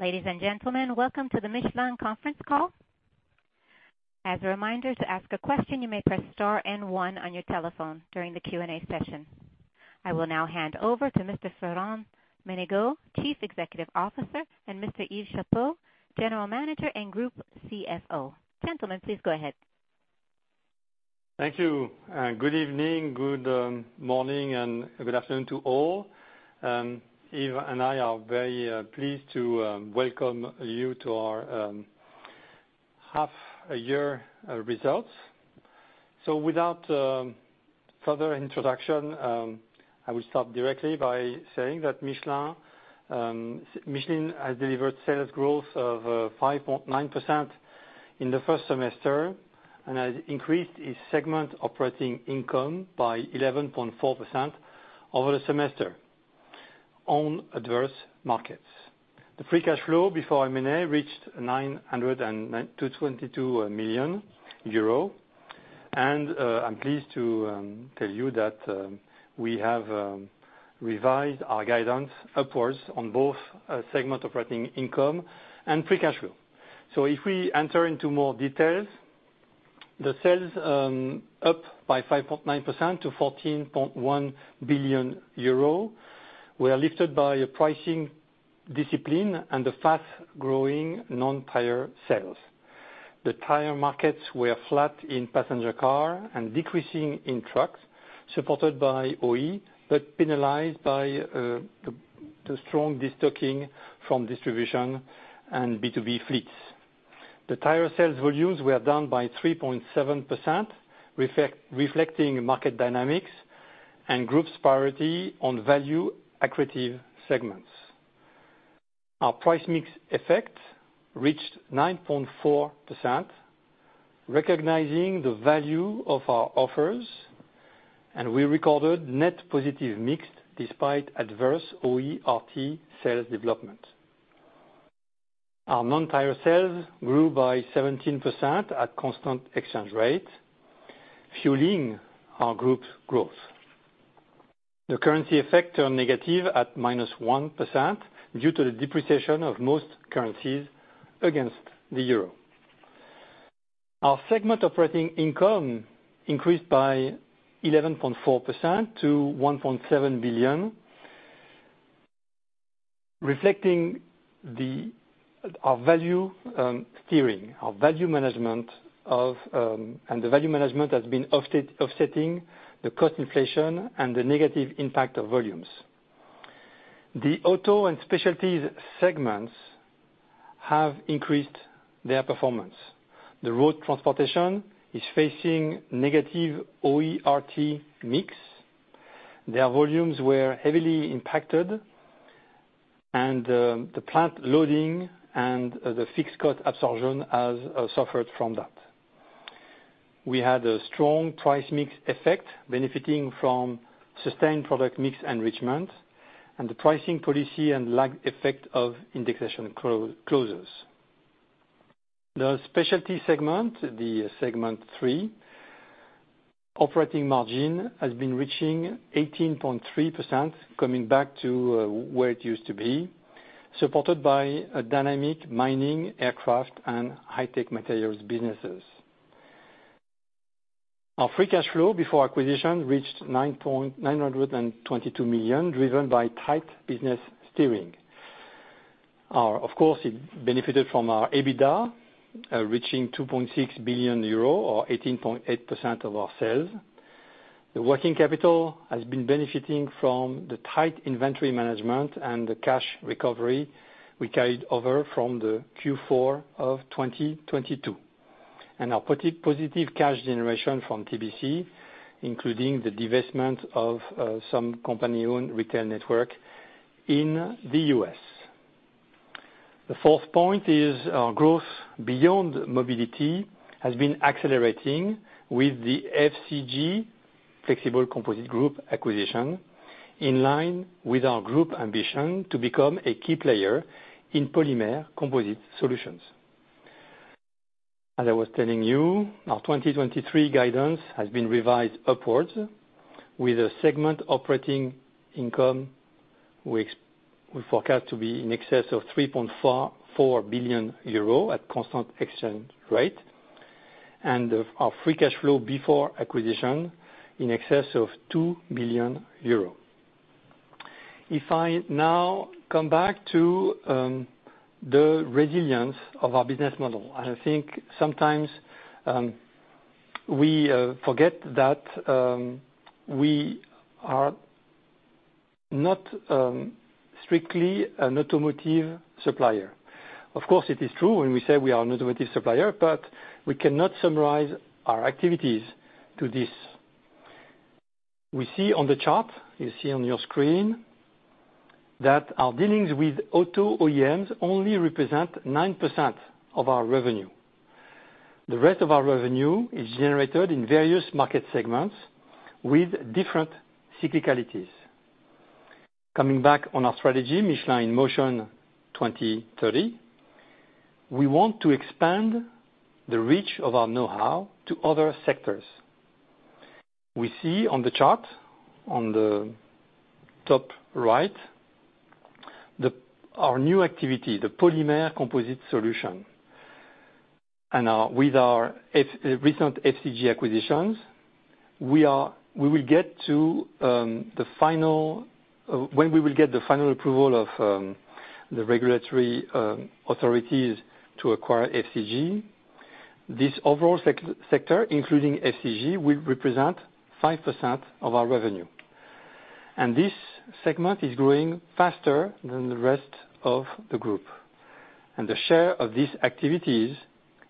Ladies and gentlemen, welcome to the Michelin conference call. As a reminder, to ask a question, you may press star and one on your telephone during the Q&A session. I will now hand over to Mr. Florent Menegaux, Chief Executive Officer, and Mr. Yves Chapot, General Manager and Group CFO. Gentlemen, please go ahead. Thank you. Good evening, good morning, and good afternoon to all. Yves and I are very pleased to welcome you to our half a year results. Without further introduction, I will start directly by saying that Michelin has delivered sales growth of 5.9% in the 1st semester and has increased its segment operating income by 11.4% over the semester on adverse markets. The free cash flow before M&A reached 922 million euro. I'm pleased to tell you that we have revised our guidance upwards on both segment operating income and free cash flow. If we enter into more details, the sales, up by 5.9% to 14.1 billion euro, were lifted by a pricing discipline and the fast growing non tire sales. The tire markets were flat in passenger car and decreasing in trucks, supported by OE, but penalized by the strong destocking from distribution and B2B fleets. The tire sales volumes were down by 3.7%, reflecting market dynamics and group's priority on value accretive segments. Our price mix effect reached 9.4%, recognizing the value of our offers, and we recorded net positive mix despite adverse OE/RT sales development. Our non tire sales grew by 17% at constant exchange rate, fueling our group's growth. The currency effect turned negative at -1% due to the depreciation of most currencies against the euro. Our segment operating income increased by 11.4% to EUR 1.7 billion, reflecting our value steering, our value management of, and the value management has been offsetting the cost inflation and the negative impact of volumes. The auto and specialties segments have increased their performance. The road transportation is facing negative OE/RT mix. Their volumes were heavily impacted, the plant loading and the fixed cost absorption has suffered from that. We had a strong price mix effect, benefiting from sustained product mix enrichment and the pricing policy and lag effect of indexation closures. The specialty segment, the segment three, operating margin has been reaching 18.3%, coming back to where it used to be, supported by a dynamic mining, aircraft, and high-tech materials businesses. Our free cash flow before acquisition reached 922 million, driven by tight business steering. Of course, it benefited from our EBITDA, reaching 2.6 billion euro or 18.8% of our sales. The working capital has been benefiting from the tight inventory management and the cash recovery we carried over from the Q4 of 2022, and our positive cash generation from TBC, including the divestment of some company owned retail network in the U.S. The fourth point is our growth beyond mobility has been accelerating with the FCG, Flex Composite Group, acquisition, in line with our group ambition to become a key player in polymer composite solutions. As I was telling you, our 2023 guidance has been revised upwards with a segment operating income we forecast to be in excess of 3.44 billion euro at constant exchange rate, and of our free cash flow before acquisition in excess of 2 billion euros. If I now come back to the resilience of our business model, I think sometimes we forget that we are not strictly an automotive supplier. Of course, it is true when we say we are an automotive supplier, but we cannot summarize our activities to this. We see on the chart, you see on your screen, that our dealings with auto OEMs only represent 9% of our revenue. The rest of our revenue is generated in various market segments with different cyclicalities. Coming back on our strategy, Michelin in Motion 2030, we want to expand the reach of our know how to other sectors. we see on the chart, on the top right, our new activity, the polymer composite solutions. With our recent FCG acquisitions, we will get to the final when we will get the final approval of the regulatory authorities to acquire FCG. This overall sector, including FCG, will represent 5% of our revenue. This segment is growing faster than the rest of the group. The share of these activities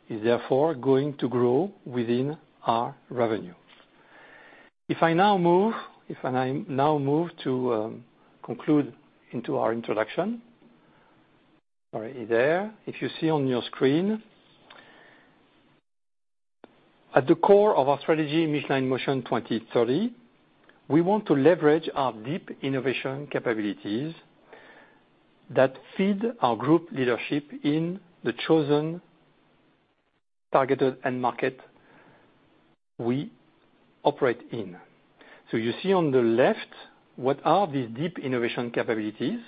is therefore going to grow within our revenue. If I now move to conclude into our introduction, already there. If you see on your screen, at the core of our strategy, Michelin in Motion 2030, we want to leverage our deep innovation capabilities that feed our group leadership in the chosen, targeted end market we operate in. You see on the left, what are these deep innovation capabilities,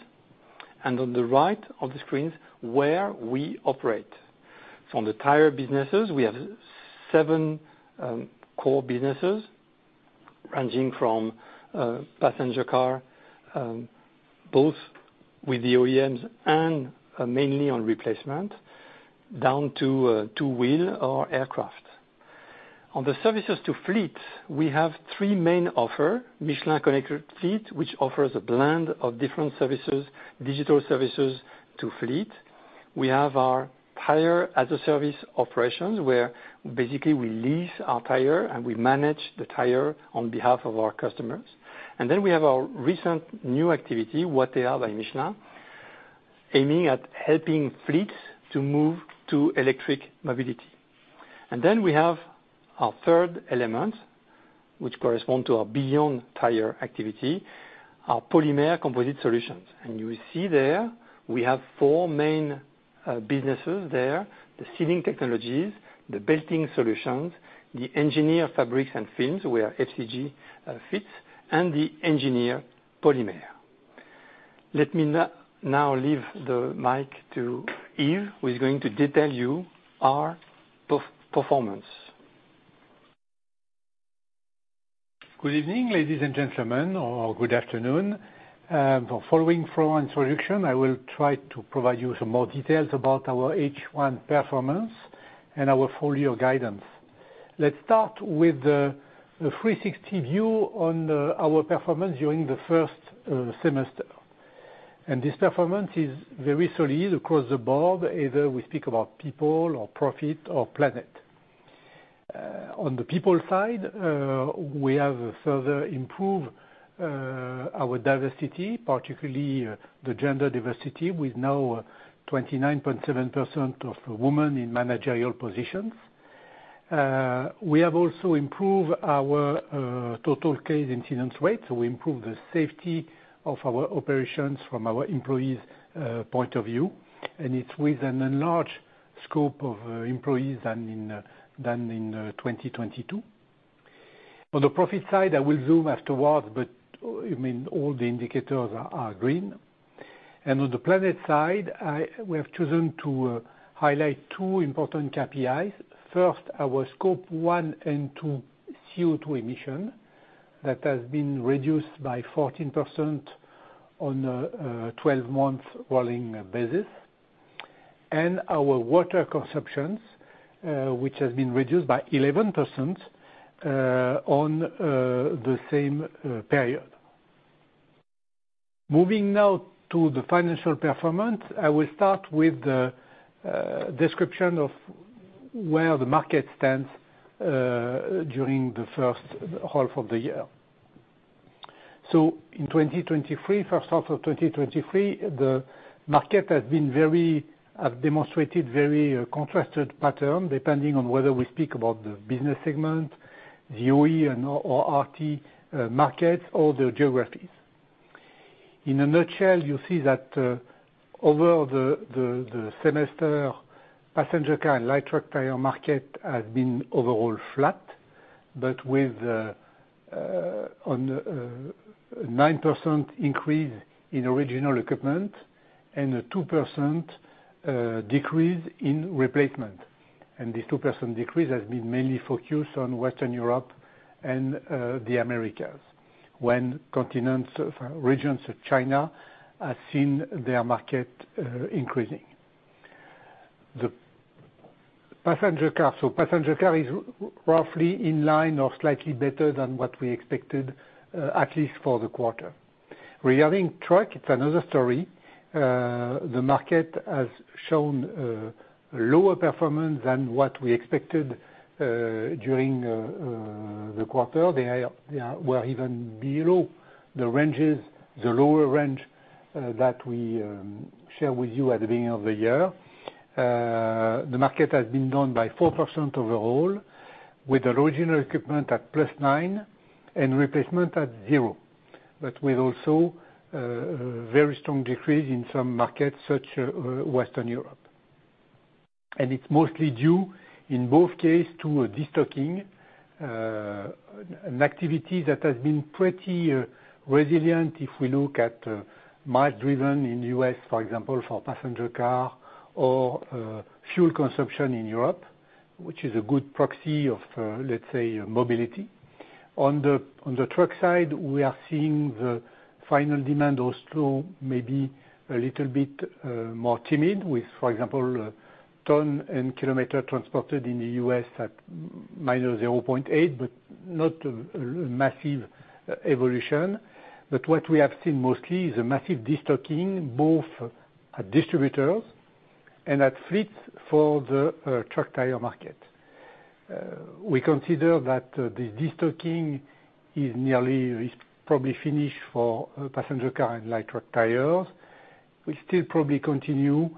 and on the right of the screens, where we operate. From the tire businesses, we have seven core businesses, ranging from passenger car, both with the OEMs and mainly on replacement, down to two wheel or aircraft. On the services to fleet, we have three main offer: MICHELIN Connected Fleet, which offers a blend of different services, digital services to fleet. We have our tire as a service operations, where basically we lease our tire and we manage the tire on behalf of our customers. We have our recent new activity, Watèa by Michelin, aiming at helping fleets to move to electric mobility. We have our third element, which correspond to our beyond tire activity, our polymer composite solutions. You will see there, we have four main businesses there the sealing technologies, the belting solutions, the engineered fabrics and films, where FCG fits, and the engineered polymer. Let me now leave the mic to Yves, who is going to detail you our performance. Good evening, ladies and gentlemen, or good afternoon. For following Florent's introduction, I will try to provide you some more details about our H1 performance and our full year guidance. Let's start with the 360 view on our performance during the first semester. This performance is very solid across the board, either we speak about people or profit or planet. On the people side, we have further improved our diversity, particularly the gender diversity, with now 29.7% of women in managerial positions. We have also improved our total case incident rate, so we improved the safety of our operations from our employees' point of view, and it's with an enlarged scope of employees than in 2022. On the profit side, I will zoom afterwards, I mean, all the indicators are green. On the planet side, we have chosen to highlight two important KPIs. First, our scope one and two CO2 emission, that has been reduced by 14% on a 12 month rolling basis, and our water consumptions, which has been reduced by 11% on the same period. Moving now to the financial performance, I will start with the description of where the market stands during the first half of the year. In 2023, first half of 2023, the market have demonstrated very contrasted pattern, depending on whether we speak about the business segment, the OE/RT markets or the geographies. In a nutshell, you see that over the semester, passenger car and light truck tire market has been overall flat, but with a 9% increase in original equipment and a 2% decrease in replacement. This 2% decrease has been mainly focused on Western Europe and the Americas, when continents, regions of China have seen their market increasing. The passenger car, passenger car is roughly in line or slightly better than what we expected, at least for the quarter. Regarding truck, it's another story. The market has shown lower performance than what we expected during the quarter. They were even below the ranges, the lower range, that we share with you at the beginning of the year. The market has been down by 4% overall, with original equipment at +9% and replacement at 0%, but with also, very strong decrease in some markets, such, Western Europe. It's mostly due, in both case, to a destocking, an activity that has been pretty, resilient if we look at, mile driven in the U.S., for example, for passenger car or, fuel consumption in Europe, which is a good proxy of, let's say, mobility. On the truck side, we are seeing the final demand or slow, maybe a little bit, more timid with, for example, ton and kilometer transported in the U.S. at -0.8%, but not, massive evolution. What we have seen mostly is a massive destocking, both at distributors and at fleets for the, truck tire market. We consider that the destocking is nearly, is probably finished for passenger car and light truck tires. We still probably continue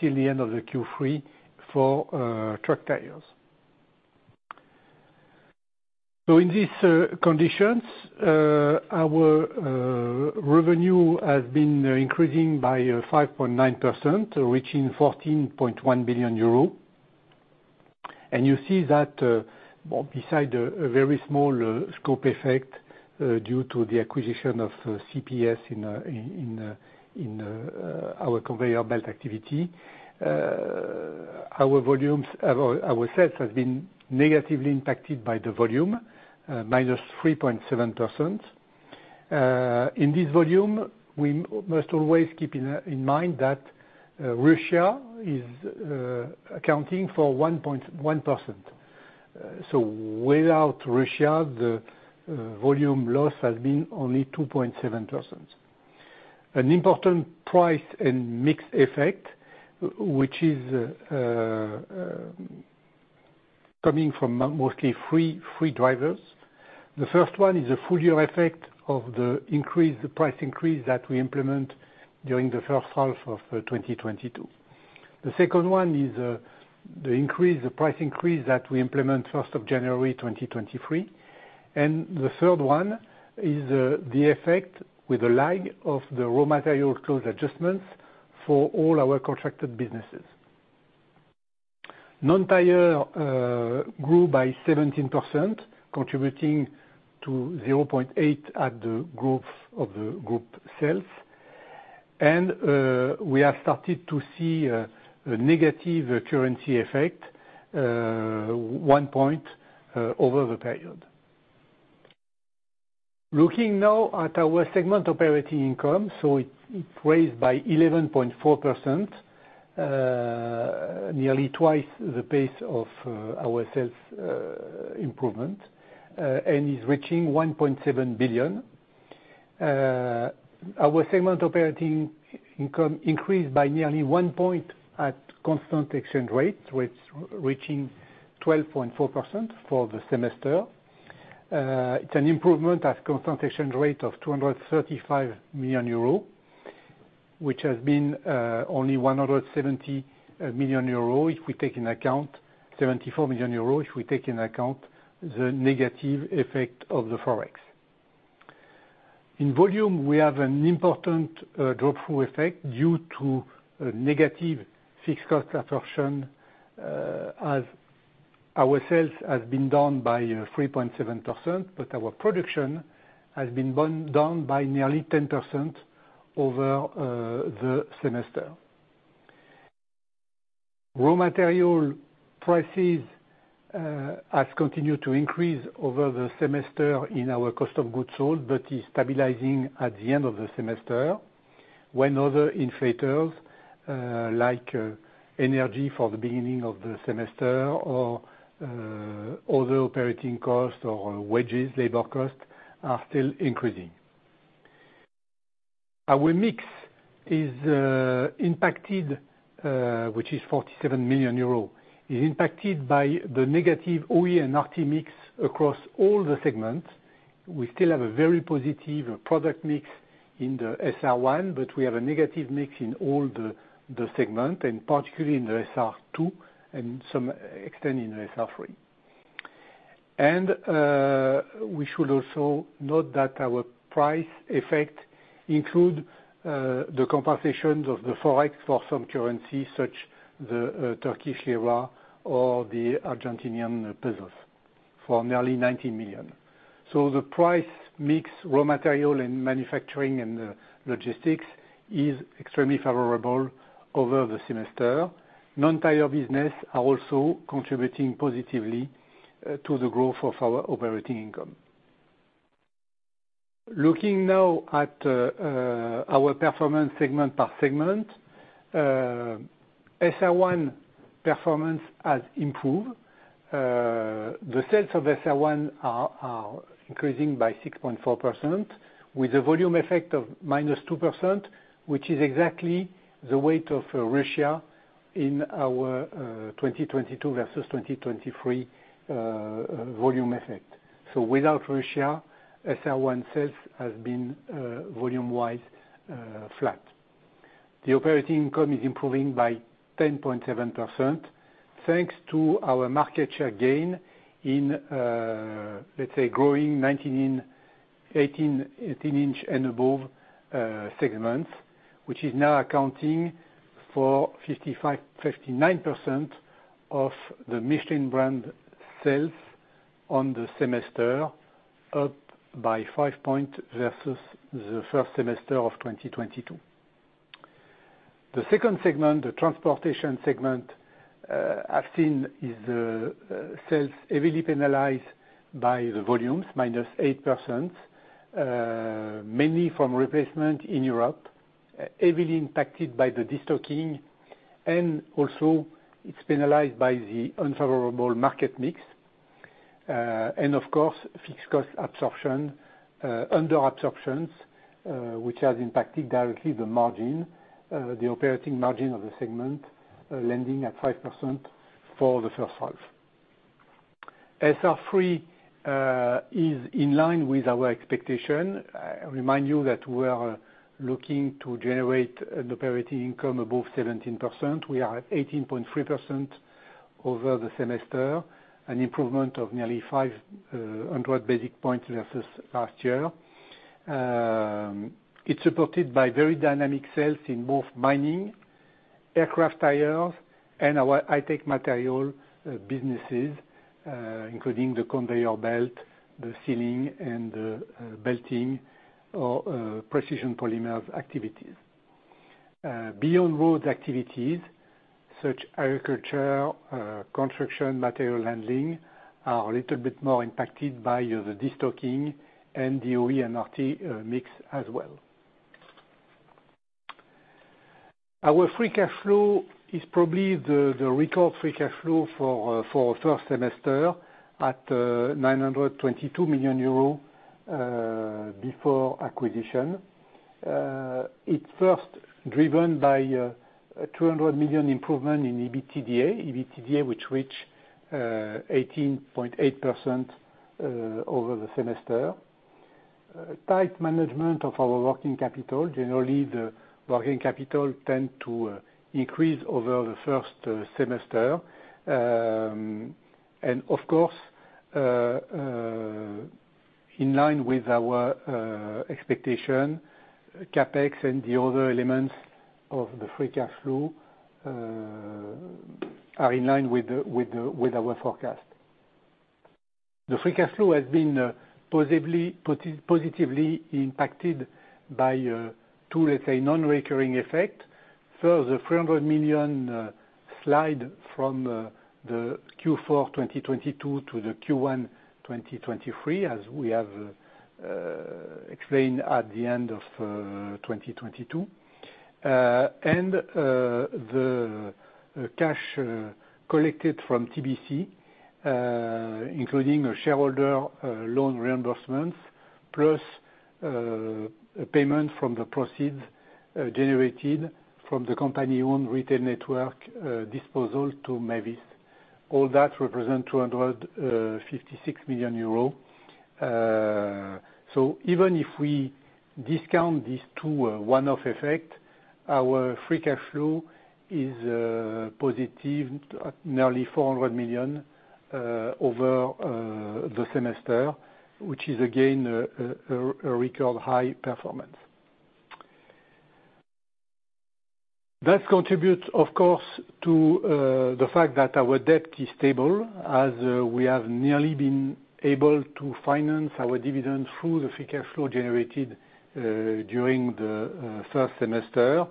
till the end of the Q3 for truck tires. In these conditions, our revenue has been increasing by 5.9%, reaching 14.1 billion euros. You see that, well, beside a very small scope effect due to the acquisition of CPS in our conveyor belt activity, our volumes, our sales have been negatively impacted by the volume, -3.7%. In this volume, we must always keep in mind that Russia is accounting for 1.1%. Without Russia, the volume loss has been only 2.7%. An important price and mix effect, which is coming from mostly three drivers. The first one is a full year effect of the increase, the price increase that we implement during the first half of 2022. The second one is the increase, the price increase that we implement January 1, 2023. The third one is the effect with the lag of the raw material close adjustments for all our contracted businesses. Non tire grew by 17%, contributing to 0.8% at the growth of the group sales. We have started to see a negative currency effect 1.0% over the period. Looking now at our segment operating income, it raised by 11.4%, nearly twice the pace of our sales improvement, and is reaching 1.7 billion. Our segment operating income increased by nearly 1 percentage point at constant exchange rate, with reaching 12.4% for the semester. It's an improvement at constant exchange rate of 235 million euro, which has been only 74 million euro if we take in account the negative effect of the Forex. In volume, we have an important drop-through effect due to a negative fixed cost absorption, as our sales has been down by 3.7%, but our production has been down by nearly 10% over the semester. Raw material prices has continued to increase over the semester in our cost of goods sold, but is stabilizing at the end of the semester, when other inflators, energy for the beginning of the semester or other operating costs or wages, labor costs, are still increasing. Our mix is impacted, which is 47 million euros, is impacted by the negative OE and RT mix across all the segments. We still have a very positive product mix in the SR1, but we have a negative mix in all the segment, and particularly in the SR2, and some extending in SR3. We should also note that our price effect include the compensations of the Forex for some currencies, such the Turkish lira or the Argentinian pesos, for nearly 19 million. The price mix, raw material, and manufacturing and logistics is extremely favorable over the semester. Non tire business are also contributing positively to the growth of our operating income. Looking now at our performance segment per segment, SR1 performance has improved. The sales of SR1 are increasing by 6.4%, with a volume effect of -2%, which is exactly the weight of Russia in our 2022 versus 2023 volume effect. Without Russia, SR1 sales has been volume-wise flat. The operating income is improving by 10.7%, thanks to our market share gain in, let's say, growing nineteen in-... 18-inch and above segments, which is now accounting for 59% of the MICHELIN brand sales on the semester, up by five point versus the first semester of 2022. The second segment, the transportation segment, sales heavily penalized by the volumes, minus 8%, mainly from replacement in Europe, heavily impacted by the destocking, and also it's penalized by the unfavorable market mix. And of course, fixed cost absorption under absorptions, which has impacted directly the margin, the operating margin of the segment, landing at 5% for the first half. SR3 is in line with our expectation. I remind you that we are looking to generate an operating income above 17%. We are at 18.3% over the semester, an improvement of nearly 500 basic points versus last year. It's supported by very dynamic sales in both mining, aircraft tires, and our high-tech material businesses, including the conveyor belt, the sealing, and the belting or engineered polymers activities. Beyond roads activities, such agriculture, construction, material handling, are a little bit more impacted by the destocking and the OE and RT mix as well. Our free cash flow is probably the record free cash flow for first semester at 922 million euro before acquisition. It's first driven by 200 million improvement in EBITDA. EBITDA, which reach 18.8% over the semester. Tight management of our working capital, generally, the working capital tend to increase over the first semester. Of course, in line with our expectation, CapEx and the other elements of the free cash flow are in line with our forecast. The free cash flow has been positively impacted by two, let's say, non-recurring effect. First, the 300 million slide from the Q4 2022 to the Q1 2023, as we have explained at the end of 2022. The cash collected from TBC, including a shareholder loan reimbursements, plus a payment from the proceeds generated from the company owned retail network disposal to Mavis. All that represent 256 million euro. Even if we discount these two one off effect, our free cash flow is positive, at nearly 400 million over the semester, which is again a record high performance. That contributes, of course, to the fact that our debt is stable, as we have nearly been able to finance our dividend through the free cash flow generated during the first semester.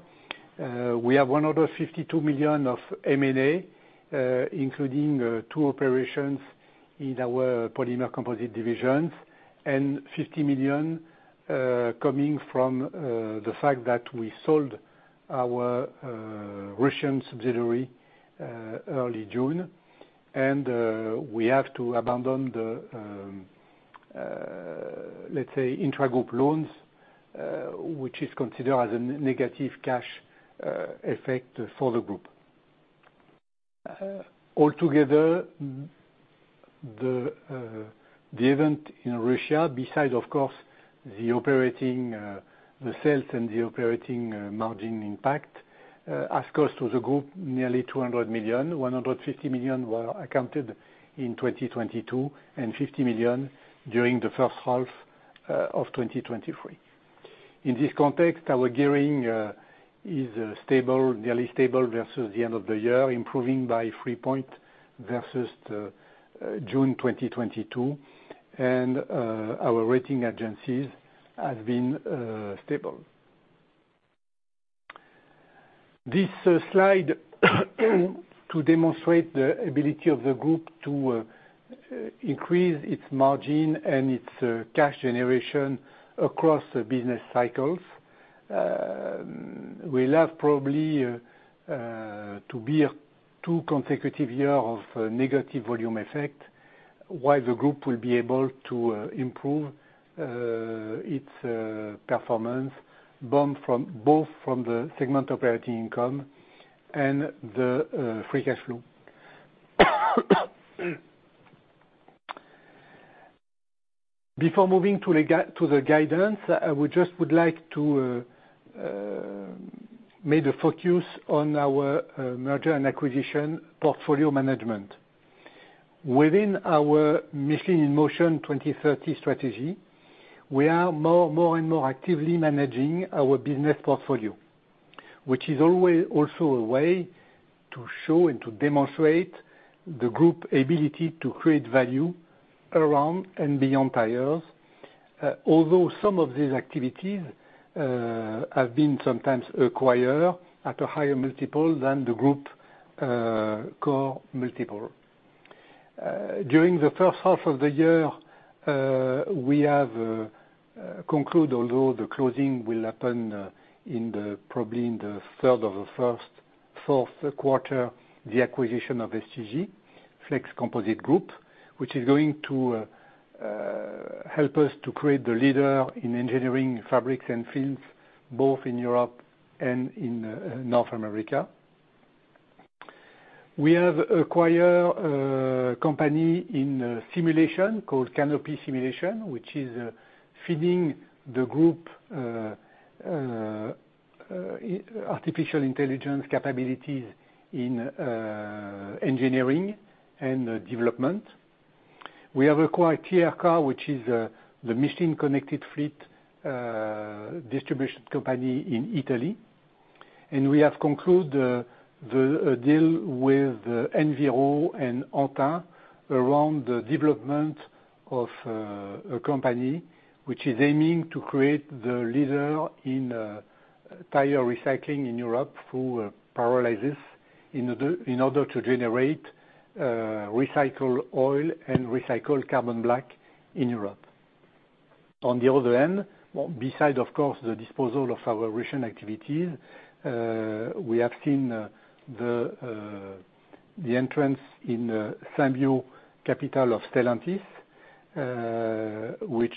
We have 152 million of M&A, including two operations in our polymer composite divisions, and 50 million coming from the fact that we sold our Russian subsidiary early June. We have to abandon the, let's say, intragroup loans, which is considered as a negative cash effect for the group. Altogether, the event in Russia, besides, of course, the operating, the sales and the operating, margin impact, as cost to the group, nearly 200 million, 150 million were accounted in 2022, and 50 million during the first half of 2023. In this context, our gearing is stable, nearly stable versus the end of the year, improving by threre points versus June 2022. Our rating agencies have been stable. This slide to demonstrate the ability of the group to increase its margin and its cash generation across the business cycles. We'll have probably to be a two consecutive year of negative volume effect, while the group will be able to improve its performance, both from the segment operating income and the free cash flow. Before moving to the guidance, I would just like to made a focus on our merger and acquisition portfolio management. Within our Michelin in Motion 2030 strategy, we are more and more actively managing our business portfolio, which is also a way to show and to demonstrate the group ability to create value around and beyond tires. Although some of these activities have been sometimes acquired at a higher multiple than the group core multiple. During the 1st half of the year, we have conclude, although the closing will happen in the 4th quarter, the acquisition of FCG, Flex Composite Group, which is going to help us to create the leader in engineered fabrics and films, both in Europe and in North America. We have acquired a company in simulation called Canopy Simulations, which is feeding the group artificial intelligence capabilities in engineering and development. We have acquired TRK, which is the MICHELIN Connected Fleet distribution company in Italy, and we have concluded the deal with Enviro and Antin around the development of a company which is aiming to create the leader in tire recycling in Europe, through pyrolysis, in order, in order to generate recycled oil and recycled carbon black in Europe. On the other end, well, beside of course, the disposal of our Russian activities, we have seen the entrance in Symbio capital of Stellantis, which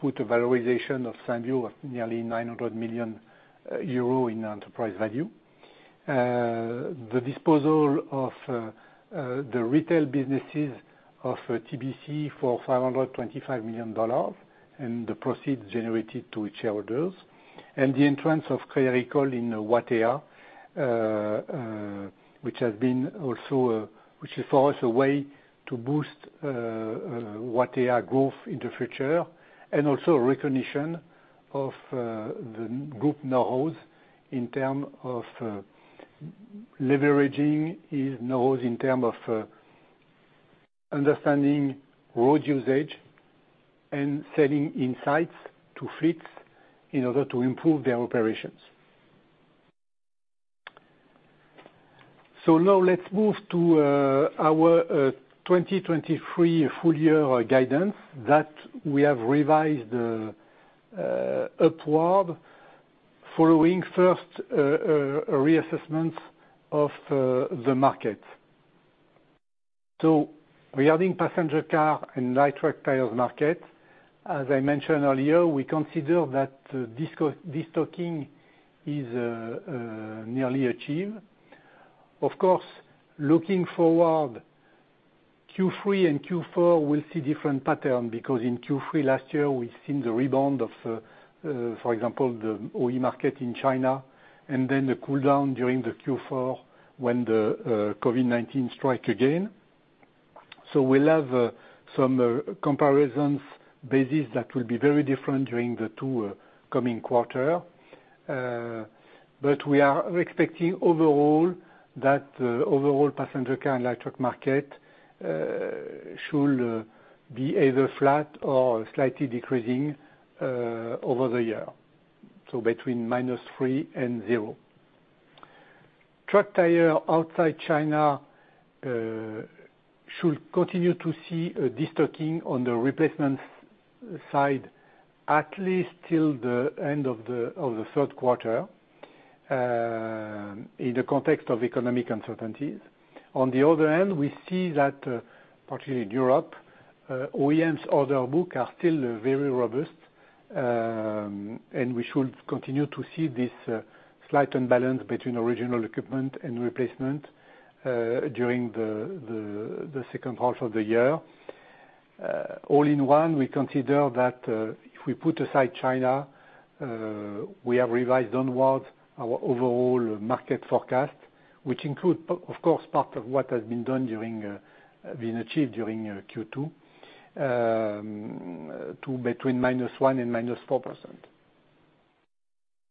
put a valorization of Symbio of nearly 900 million euro in enterprise value. C for $525 million and the proceeds generated to its shareholders, and the entrance of Crédit Agricole in Watèa by Michelin, which has been also, which is for us, a way to boost Watèa growth in the future, and also a recognition of the group know-hows in term of leveraging his knows, in term of understanding road usage and selling insights to fleets in order to improve their operations. Now let's move to our 2023 full year guidance that we have revised upward, following first a reassessment of the market. Regarding passenger car and light truck tires market, as I mentioned earlier, we consider that this destocking is nearly achieved Looking forward, Q3 and Q4 will see different pattern, because in Q3 last year, we've seen the rebound of, for example, the OE market in China, and then the cool down during the Q4 when the COVID-19 strike again. We'll have some comparisons basis that will be very different during the two coming quarter. We are expecting overall, that overall passenger car and light truck market should be either flat or slightly decreasing over the year, so between -3% and 0%. Truck tire outside China should continue to see a destocking on the replacements side, at least till the end of the third quarter, in the context of economic uncertainties. On the other hand, we see that particularly in Europe, OEMs order book are still very robust. We should continue to see this slight imbalance between original equipment and replacement during the second half of the year. All in one, we consider that if we put aside China, we have revised onwards our overall market forecast, which include, of course, part of what has been done during, been achieved during Q2, to between -1% and -4%.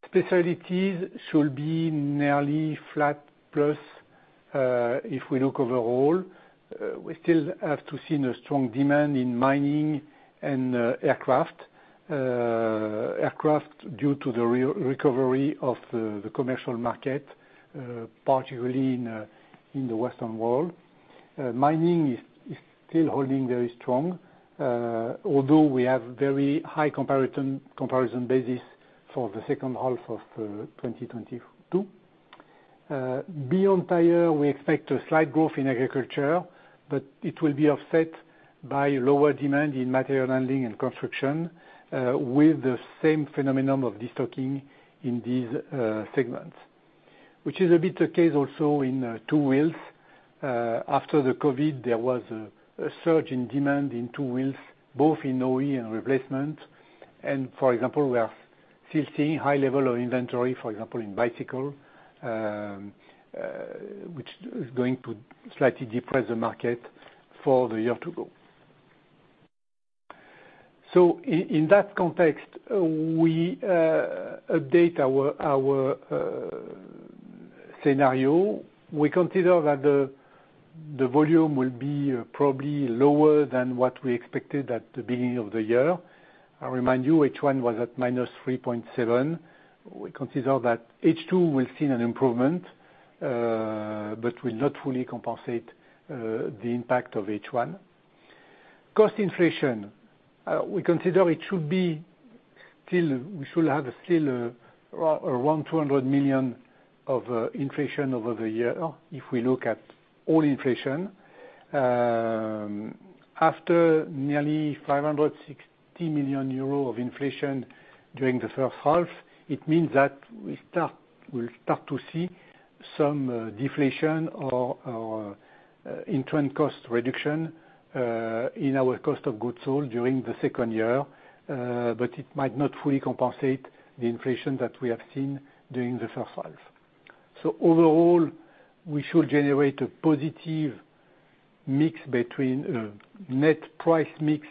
Specialties should be nearly flat plus, if we look overall, we still have to see a strong demand in mining and aircraft. Aircraft, due to the recovery of the commercial market, particularly in the Western World. Mining is still holding very strong, although we have very high comparison basis for the second half of 2022. Beyond tire, we expect a slight growth in agriculture, but it will be offset by lower demand in material handling and construction, with the same phenomenon of destocking in these segments. Which is a bit the case also in two wheels. After the COVID-19, there was a surge in demand in two wheels, both in OE and replacement. For example, we are still seeing high level of inventory, for example, in bicycle, which is going to slightly depress the market for the year to go. In that context, we update our scenario. We consider that the volume will be probably lower than what we expected at the beginning of the year. I remind you, H1 was at -3.7%. We consider that H2 will see an improvement, but will not fully compensate the impact of H1. Cost inflation, we consider we should have still around 200 million of inflation over the year, if we look at all inflation. After nearly 560 million euro of inflation during the first half, it means that we'll start to see some deflation or interim cost reduction in our cost of goods sold during the second year. It might not fully compensate the inflation that we have seen during the first half. Overall, we should generate a positive mix between net price mix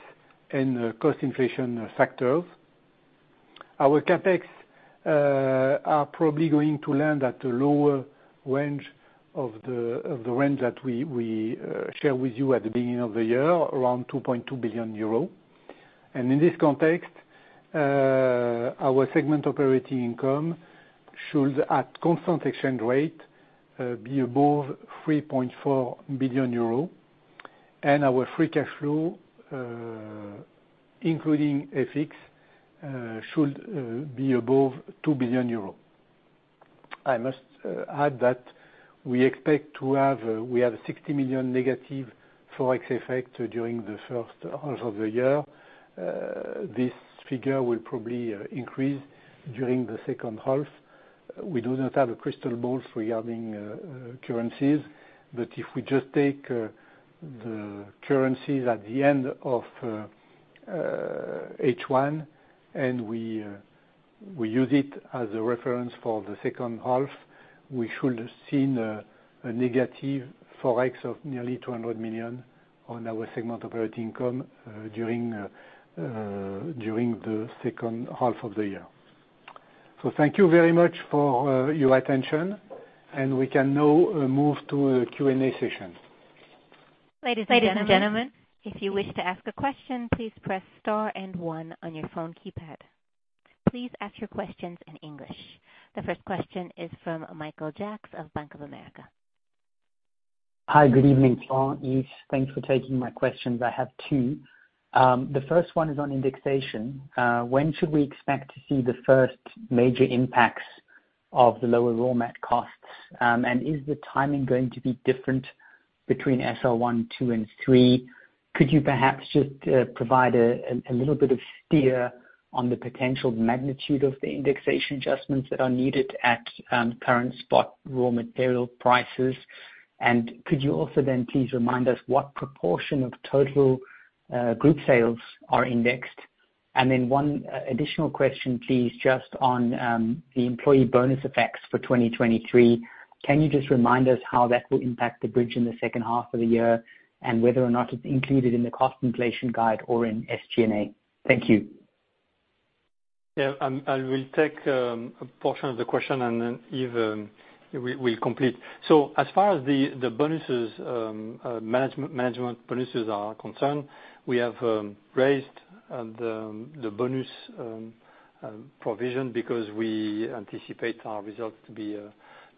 and cost inflation factors. Our CapEx are probably going to land at a lower range of the, of the range that we share with you at the beginning of the year, around 2.2 billion euro. In this context, our segment operating income should, at constant exchange rate, be above 3.4 billion euro, and our free cash flow, including FX, should be above 2 billion euro. I must add that we have 60 million negative Forex effect during the first half of the year. This figure will probably increase during the second half. We do not have a crystal ball regarding currencies, but if we just take the currencies at the end of H1, and we use it as a reference for the second half, we should have seen a negative Forex of nearly 200 million on our segment operating income during the second half of the year. Thank you very much for your attention, and we can now move to a Q&A session. Ladies and gentlemen, if you wish to ask a question, please press star and one on your phone keypad. Please ask your questions in English. The first question is from Michael Jacks of Bank of America. Hi, good evening, Yves. Thanks for taking my questions. I have two. The first one is on indexation. When should we expect to see the first major impacts of the lower raw mat costs? Is the timing going to be different between SR1, SR2, and SR3? Could you perhaps just provide a little bit of steer on the potential magnitude of the indexation adjustments that are needed at current spot raw material prices? Could you also then please remind us what proportion of total group sales are indexed? One additional question, please just on the employee bonus effects for 2023. Can you just remind us how that will impact the bridge in the second half of the year, and whether or not it's included in the cost inflation guide or in SG&A? Thank you. I will take a portion of the question, and then Yves will complete. As far as the bonuses, management bonuses are concerned, we have raised the bonus provision because we anticipate our results to be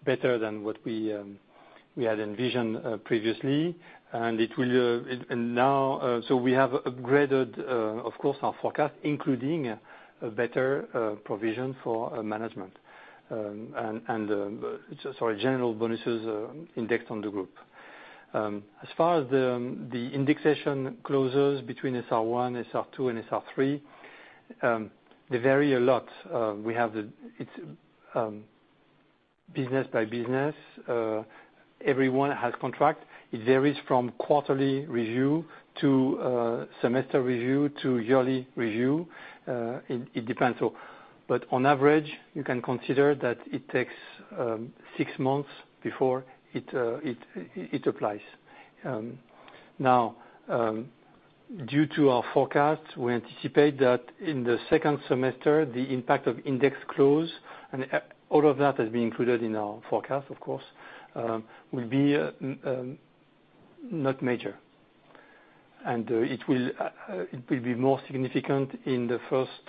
better than what we had envisioned previously. We have upgraded, of course, our forecast, including a better provision for management. Sorry, general bonuses, indexed on the group. As far as the indexation closures between SR1, SR2, and SR3, they vary a lot. Business by business, everyone has contract. It varies from quarterly review to semester review to yearly review. It depends. On average, you can consider that it takes six months before it applies. Now, due to our forecast, we anticipate that in the second semester, the impact of index close, and all of that has been included in our forecast, of course, will be not major. It will be more significant in the first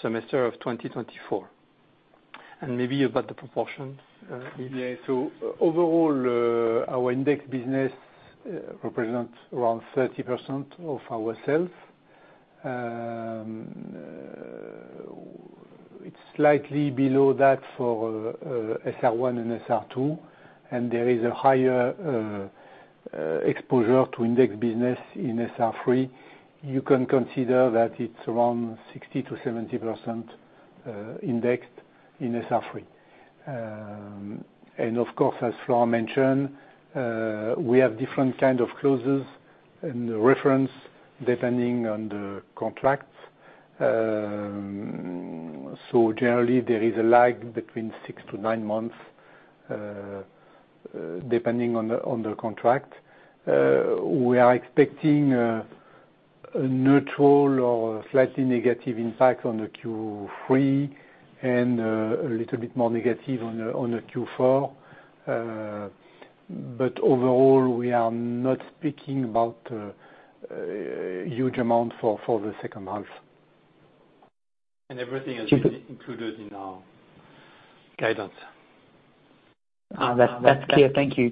semester of 2024. Maybe about the proportions, Yves? Overall, our index business represents around 30% of our sales. It's slightly below that for SR1 and SR2, and there is a higher exposure to index business in SR3. You can consider that it's around 60%-70% indexed in SR3. Of course, as Florent mentioned, we have different kind of clauses and reference depending on the contracts. Generally, there is a lag between six to nine months depending on the contract. We are expecting a neutral or slightly negative impact on the Q3, a little bit more negative on the Q4. Overall, we are not speaking about huge amount for the second half. Everything is included in our guidance. That's clear. Thank you.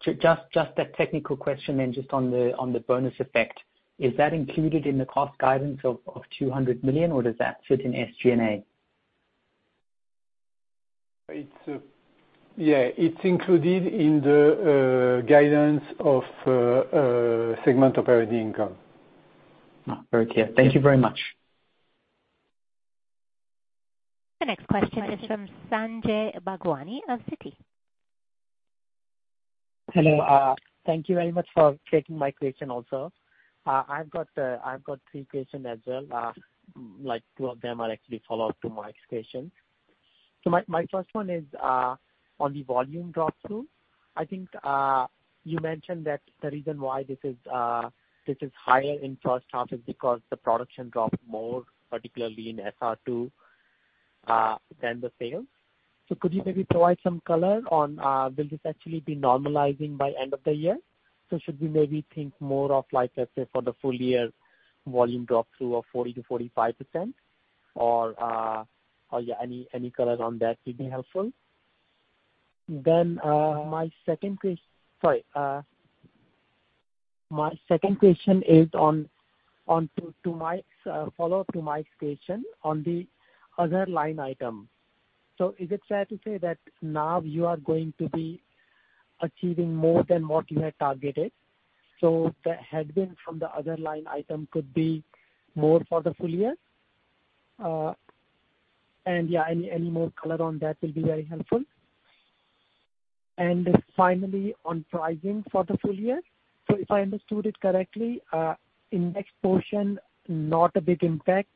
Just a technical question, and just on the bonus effect, is that included in the cost guidance of 200 million, or does that fit in SG&A? It's, yeah, it's included in the guidance of segment operating income. Very clear. Thank you very much. The next question is from Sanjay Bhagwani of Citi. Hello, thank you very much for taking my question also. I've got three question as well, like, two of them are actually follow-up to Mike's question. My first one is on the volume drop two. I think, you mentioned that the reason why this is higher in first half is because the production dropped more, particularly in SR2, than the sales. Could you maybe provide some color on, will this actually be normalizing by end of the year? Should we maybe think more of like, let's say, for the full year volume drop-through of 40%-45%? Oh, yeah, any colors on that would be helpful. My second, sorry, my second question is on to Michael Jacks's follow-up to Michael Jacks's question on the other line item. Is it fair to say that now you are going to be achieving more than what you had targeted? The headwind from the other line item could be more for the full year. Yeah, any more color on that will be very helpful. Finally, on pricing for the full year, if I understood it correctly, in next portion, not a big impact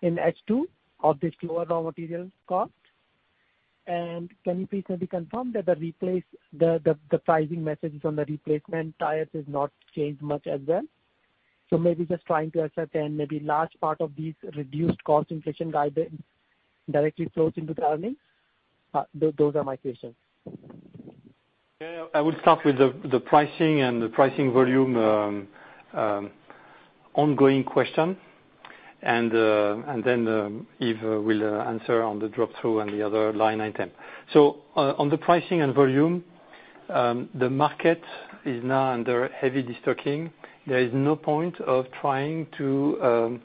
in H2 of this lower raw material cost. Can you please maybe confirm that the pricing messages on the replacement tires has not changed much as well? Just trying to ascertain, maybe large part of these reduced cost inflation guidance directly flows into the earnings. Those are my questions. Yeah, I would start with the pricing and the pricing volume ongoing question. Yves will answer on the drop-through and the other line item. On the pricing and volume, the market is now under heavy destocking. There is no point of trying to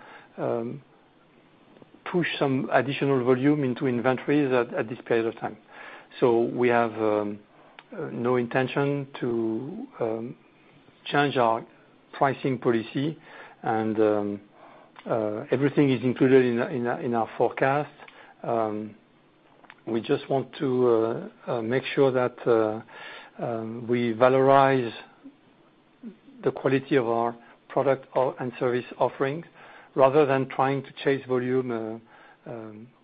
push some additional volume into inventories at this period of time. We have no intention to change our pricing policy, everything is included in our forecast. We just want to make sure that we valorize the quality of our product and service offerings, rather than trying to chase volume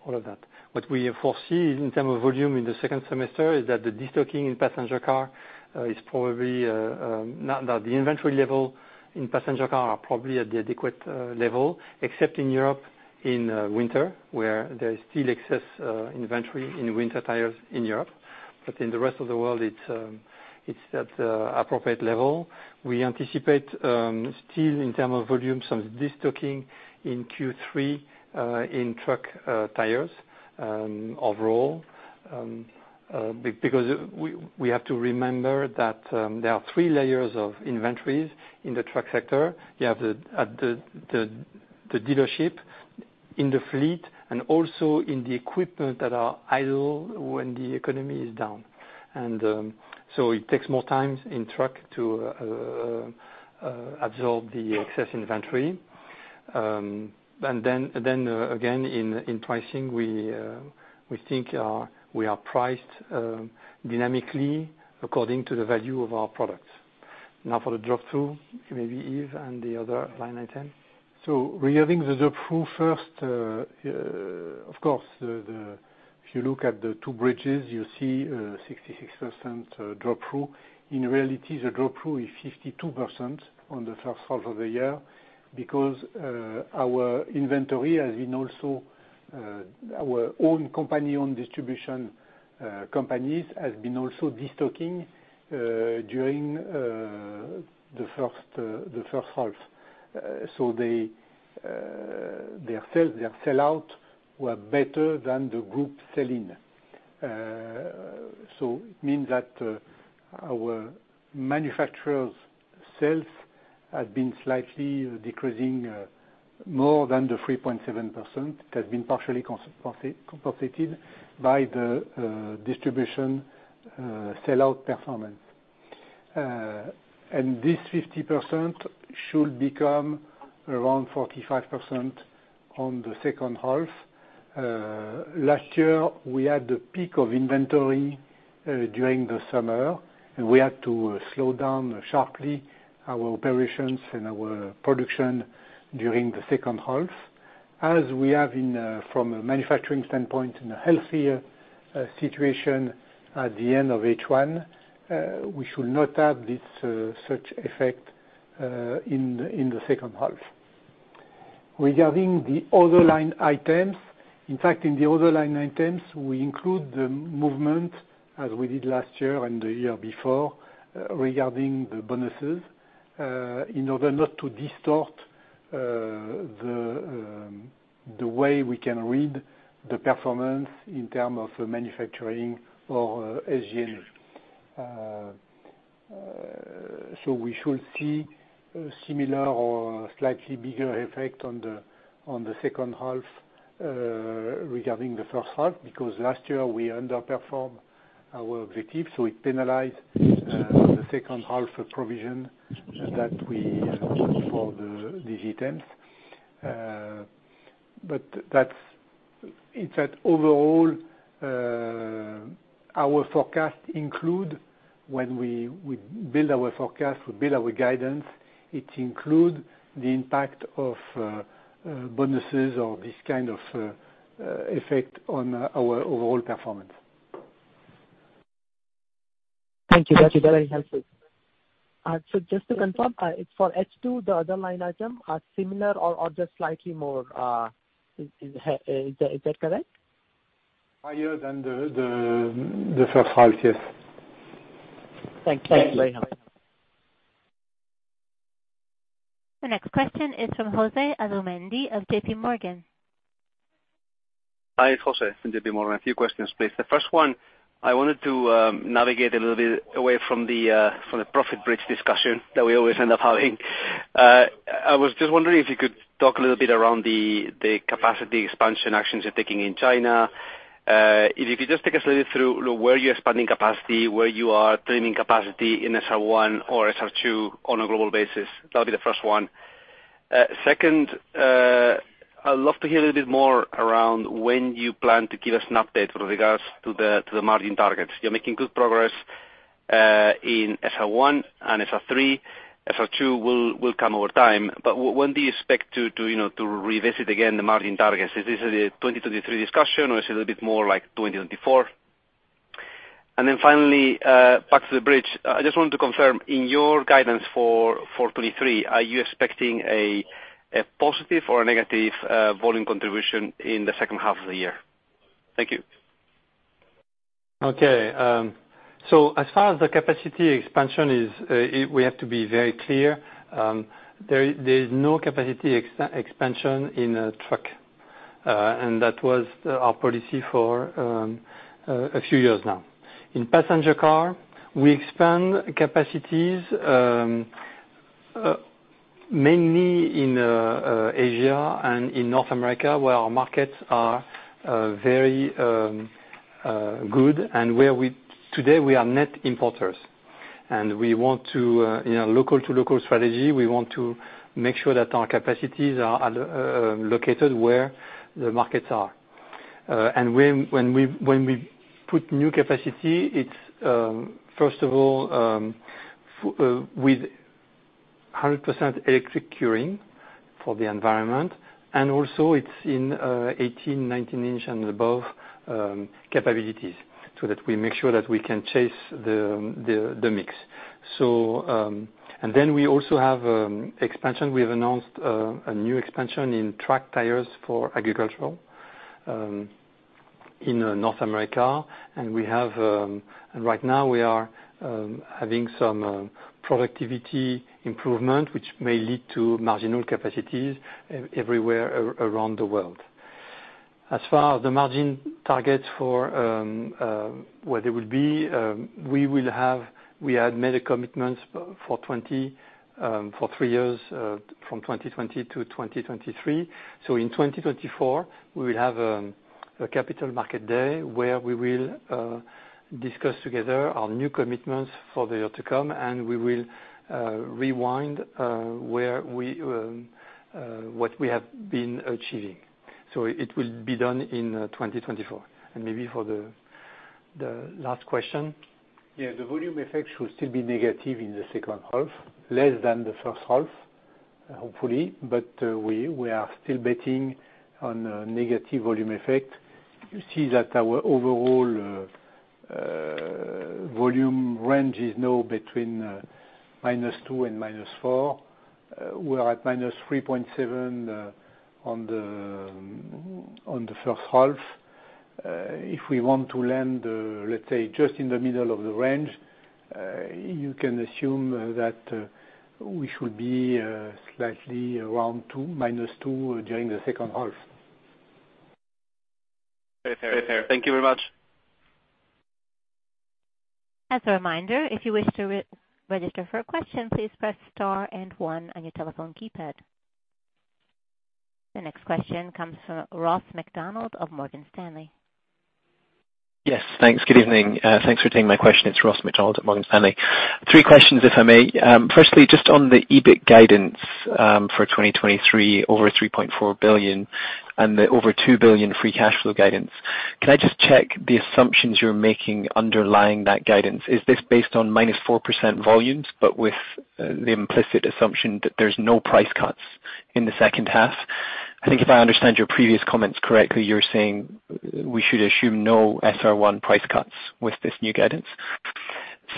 all of that. What we foresee in terms of volume in the second semester, is that the inventory level in passenger car are probably at the adequate level, except in Europe, in winter, where there is still excess inventory in winter tires in Europe. In the rest of the world, it's at appropriate level. We anticipate still, in terms of volume, some de-stocking in Q3 in truck tires overall because we have to remember that there are three layers of inventories in the truck sector. You have at the dealership, in the fleet, and also in the equipment that are idle when the economy is down. So it takes more time in truck to absorb the excess inventory. Again, in pricing, we think we are priced dynamically according to the value of our products. Now, for the drop-through, maybe Yves and the other line item. Regarding the drop through first, of course, if you look at the two bridges, you see 66% drop through. In reality, the drop through is 52% on the first half of the year, because our inventory has been also our own company, on distribution companies, has been also de-stocking during the first half. They, their sales, their sellout were better than the group sell-in. It means that our manufacturers' sales have been slightly decreasing more than the 3.7%, has been partially compensated by the distribution sellout performance. This 50% should become around 45% on the second half. Last year, we had the peak of inventory during the summer, and we had to slow down sharply our operations and our production during the second half. As we have in from a manufacturing standpoint, in a healthier situation at the end of H1, we should not have this such effect in the second half. Regarding the other line items, in fact, in the other line items, we include the movement as we did last year and the year before, regarding the bonuses, in order not to distort the way we can read the performance in term of manufacturing or SG&A. We should see similar or slightly bigger effect on the second half regarding the first half, because last year we underperformed our objective, so it penalized the second half provision that we for these items. That's, in fact, overall, our forecast include when we build our forecast, we build our guidance, it include the impact of bonuses or this kind of effect on our overall performance. Thank you. That's very helpful. Just to confirm, for H2, the other line item are similar or just slightly more, is that correct? Higher than the first half, yes. Thank you very much. The next question is from Jose Asumendi of JPMorgan. Hi, Jose from JPMorgan. A few questions, please. The first one, I wanted to navigate a little bit away from the profit bridge discussion that we always end up having. I was just wondering if you could talk a little bit around the capacity expansion actions you're taking in China. If you could just take us a little through where you're expanding capacity, where you are trimming capacity in SR1 or SR2 on a global basis. That'll be the first one. Second, I'd love to hear a little bit more around when you plan to give us an update with regards to the margin targets. You're making good progress in SR1 and SR3. SR2 will come over time, but when do you expect to, you know, to revisit again, the margin targets? Is this a 2023 discussion, or is it a little bit more like 2024? Then finally, back to the bridge. I just wanted to confirm, in your guidance for 2023, are you expecting a positive or a negative volume contribution in the second half of the year? Thank you. Okay, as far as the capacity expansion is, we have to be very clear. There is no capacity expansion in truck. That was our policy for a few years now. In passenger car, we expand capacities mainly in Asia and in North America, where our markets are very good, and where today we are net importers, and we want to, in a local-to-local strategy, we want to make sure that our capacities are located where the markets are. When we put new capacity, it's first of all with 100% electric curing for the environment, and also it's in 18, 19 inch and above capabilities, so that we make sure that we can chase the mix. And then we also have expansion. We have announced a new expansion in truck tires for agricultural in North America, and we have, and right now we are having some productivity improvement, which may lead to marginal capacities everywhere around the world. As far as the margin targets for what it will be, we will have, we had made a commitment for 3 years from 2020 to 2023. In 2024, we will have a Capital Markets Day where we will discuss together our new commitments for the year to come, and we will rewind where we what we have been achieving. It will be done in 2024. And maybe for the last question? Yeah, the volume effect should still be negative in the second half, less than the first half, hopefully. We are still betting on a negative volume effect. You see that our overall volume range is now between -2% and -4%. We are at -3.7% on the first half. If we want to land, let's say just in the middle of the range, you can assume that we should be slightly around -2% during the second half. Very fair. Thank you very much. As a reminder, if you wish to register for a question, please press star and one on your telephone keypad. The next question comes from Ross MacDonald of Morgan Stanley. Yes, thanks. Good evening. Thanks for taking my question. It's Ross MacDonald at Morgan Stanley. Three questions, if I may. Firstly, just on the EBIT guidance, for 2023, over 3.4 billion and the over 2 billion free cash flow guidance, can I just check the assumptions you're making underlying that guidance? Is this based on -4% volumes, but with the implicit assumption that there's no price cuts in the second half? I think if I understand your previous comments correctly, you're saying we should assume no SR1 price cuts with this new guidance.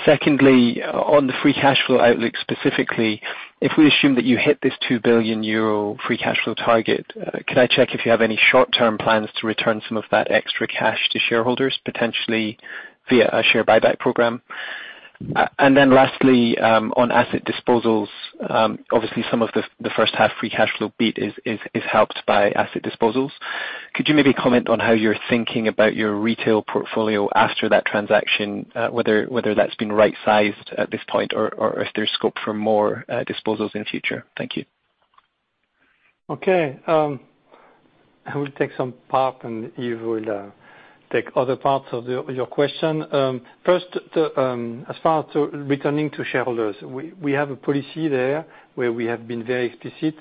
Secondly, on the free cash flow outlook, specifically, if we assume that you hit this 2 billion euro free cash flow target, can I check if you have any short-term plans to return some of that extra cash to shareholders, potentially via a share buyback program? Lastly, on asset disposals, obviously some of the first half free cash flow beat is helped by asset disposals. Could you maybe comment on how you're thinking about your retail portfolio after that transaction? Whether that's been right-sized at this point or if there's scope for more disposals in the future. Thank you. Okay, I will take some part and you will take other parts of your question. First, as far to returning to shareholders, we have a policy there where we have been very explicit.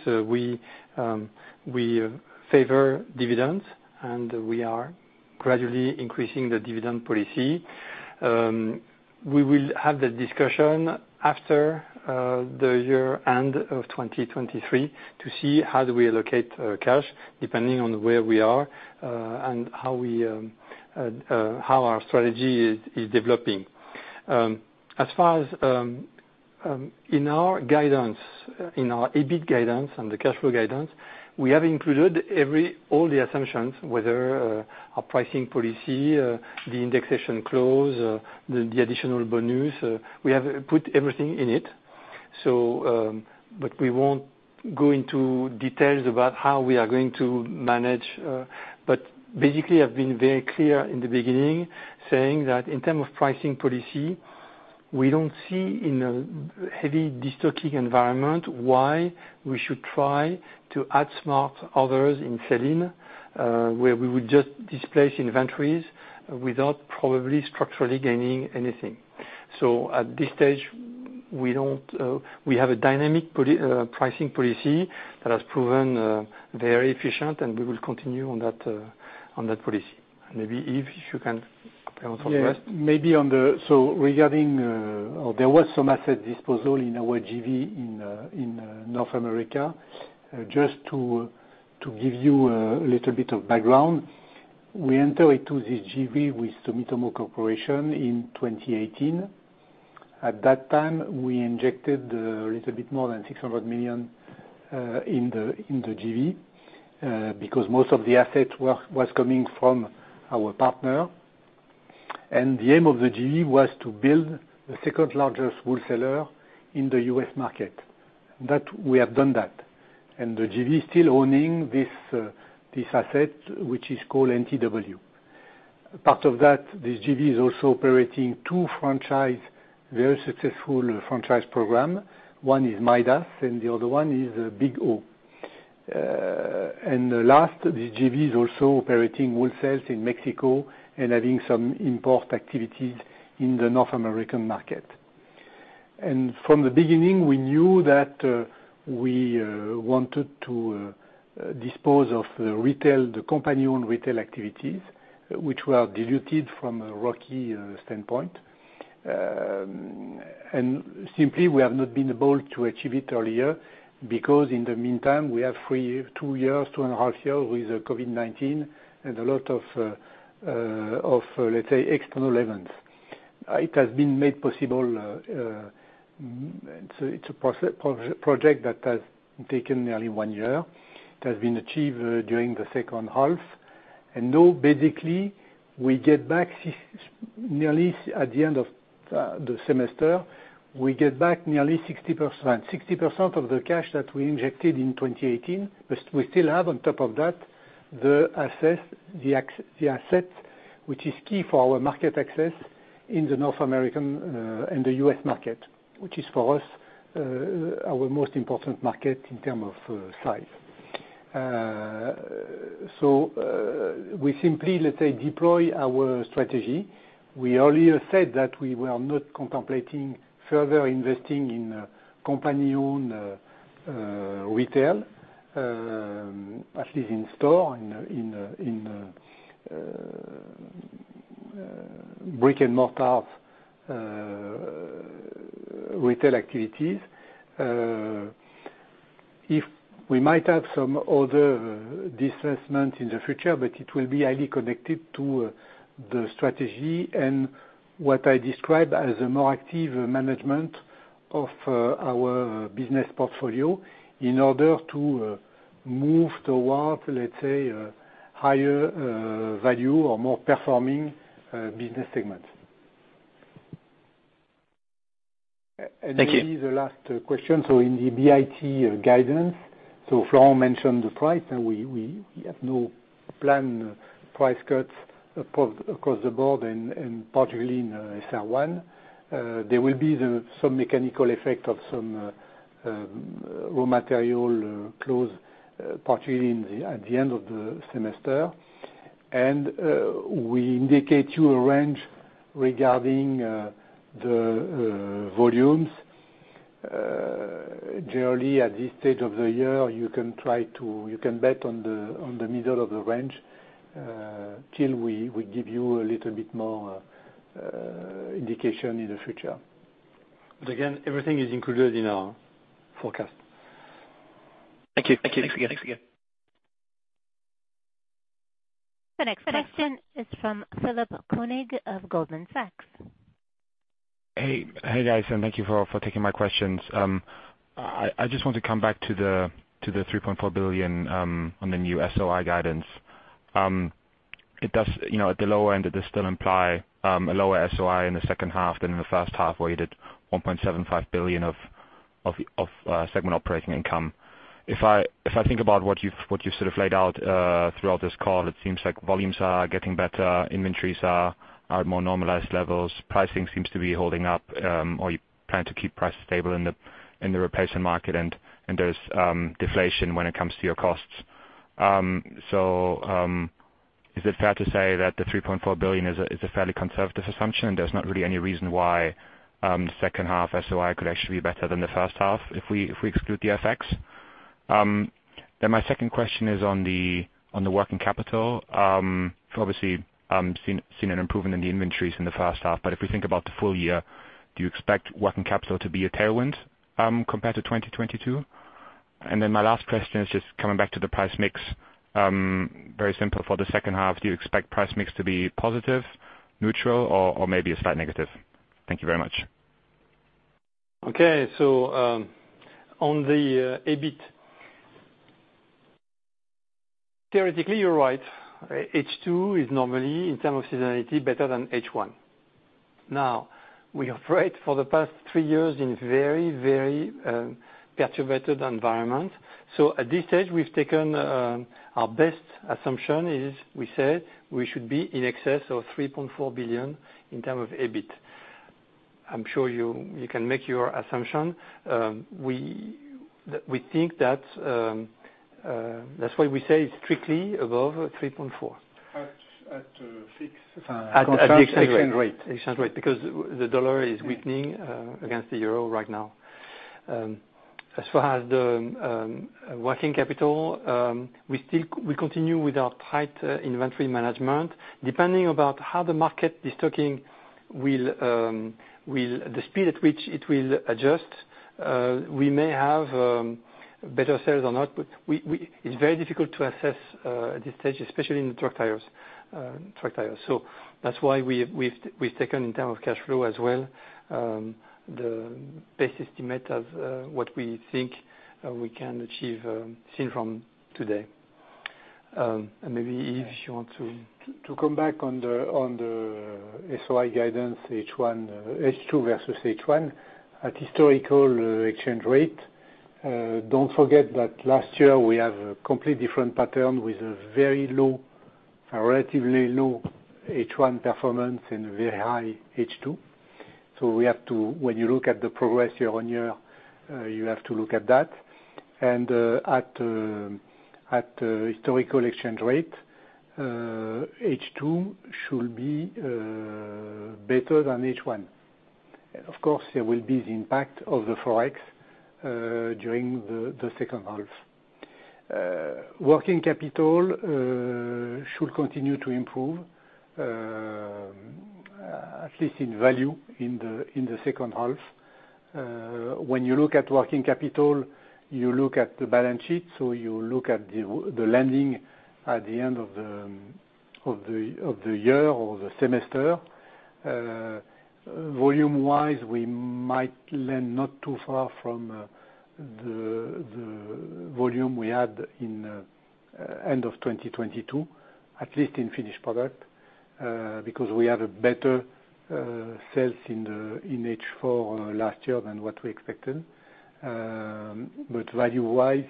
We favor dividends, and we are gradually increasing the dividend policy. We will have the discussion after the year end of 2023 to see how do we allocate cash, depending on where we are, and how our strategy is developing. As far as in our guidance, in our EBIT guidance and the cash flow guidance, we have included all the assumptions, whether our pricing policy, the indexation clause, the additional bonus. We have put everything in it, we won't go into details about how we are going to manage, basically I've been very clear in the beginning, saying that in term of pricing policy, we don't see in a heavy destocking environment, why we should try to outsmart others in selling, where we would just displace inventories without probably structurally gaining anything. At this stage, we don't, we have a dynamic pricing policy that has proven very efficient, we will continue on that on that policy. Maybe Yves, you can comment on that? Yes, regarding, there was some asset disposal in our JV in North America. Just to give you a little bit of background, we entered into this JV with Sumitomo Corporation in 2018. At that time, we injected a little bit more than $600 million in the JV because most of the assets was coming from our partner. The aim of the JV was to build the second largest wholesaler in the U.S. market, that we have done that. The JV is still owning this asset, which is called NTW. Part of that, this JV is also operating two franchise, very successful franchise program. One is Midas, and the other one is Big O. The last, this JV is also operating wholesale in Mexico and having some import activities in the North American market. From the beginning, we knew that we wanted to dispose of the retail, the company owned retail activities, which were diluted from a rocky standpoint. Simply, we have not been able to achieve it earlier, because in the meantime, we have two and a half years with COVID-19 and a lot of, let's say, external events. It has been made possible, it's a project that has taken nearly one year. It has been achieved during the second half, now basically we get back nearly at the end of the semester, we get back nearly 60%. 60% of the cash that we injected in 2018. We still have on top of that, the asset, which is key for our market access in the North American and the U.S. market, which is for us, our most important market in term of size. We simply, let's say, deploy our strategy. We earlier said that we were not contemplating further investing in company owned retail, at least in store, in brick-and-mortar retail activities. If we might have some other divestment in the future, but it will be highly connected to the strategy and what I describe as a more active management of our business portfolio in order to move towards, let's say, a higher value or more performing business segment. Thank you. Maybe the last question. In the EBIT guidance, Florent mentioned the price. We have no plan price cuts across the board, and particularly in SR1. There will be some mechanical effect of some raw material close partly in the at the end of the semester. We indicate you a range regarding the volumes. Generally, at this stage of the year, you can bet on the middle of the range till we give you a little bit more indication in the future. Again, everything is included in our forecast. Thank you. Thank you. Thanks again. The next question is from Philipp König of Goldman Sachs. Hey, guys, thank you for taking my questions. I just want to come back to the 3.4 billion on the new SOI guidance. It does, you know, at the lower end, it does still imply a lower SOI in the second half than in the first half, where you did 1.75 billion of segment operating income. If I think about what you've sort of laid out throughout this call, it seems like volumes are getting better, inventories are at more normalized levels, pricing seems to be holding up, or you plan to keep prices stable in the replacement market, and there's deflation when it comes to your costs. Is it fair to say that the 3.4 billion is a fairly conservative assumption, and there's not really any reason why the second half SOI could actually be better than the first half if we exclude the FX? My second question is on the working capital. Obviously, seen an improvement in the inventories in the first half, but if we think about the full year, do you expect working capital to be a tailwind compared to 2022? My last question is just coming back to the price mix. Very simple. For the second half, do you expect price mix to be positive, neutral, or maybe a slight negative? Thank you very much. Okay. On the EBIT, theoretically, you're right. H2 is normally, in terms of seasonality, better than H1. Now, we operate for the past three years in very perturbed environment. At this stage, we've taken our best assumption is, we said we should be in excess of 3.4 billion in term of EBIT. I'm sure you can make your assumption. We think that that's why we say it's strictly above 3.4 billion. At. At the exchange rate. Exchange rate. Exchange rate, because the dollar is weakening against the euro right now. As far as the working capital, we still, we continue with our tight inventory management. Depending about how the market is talking, the speed at which it will adjust, we may have better sales or not, but we. It's very difficult to assess at this stage, especially in the truck tires. That's why we've taken in terms of cash flow as well, the best estimate of what we think we can achieve seen from today. Maybe Yves, if you want to. To come back on the SOI guidance, H1, H2 versus H1, at historical exchange rate, don't forget that last year we have a complete different pattern with a very low, a relatively low H1 performance and very high H2. We have to, when you look at the progress year-on-year, you have to look at that. At historical exchange rate, H2 should be better than H1. Of course, there will be the impact of the Forex during the second half. Working capital should continue to improve, at least in value, in the second half. When you look at working capital, you look at the balance sheet, so you look at the lending at the end of the year or the semester. Volume wise, we might lend not too far from the volume we had in end of 2022, at least in finished product because we have a better sales in H4 last year than what we expected. Value-wise,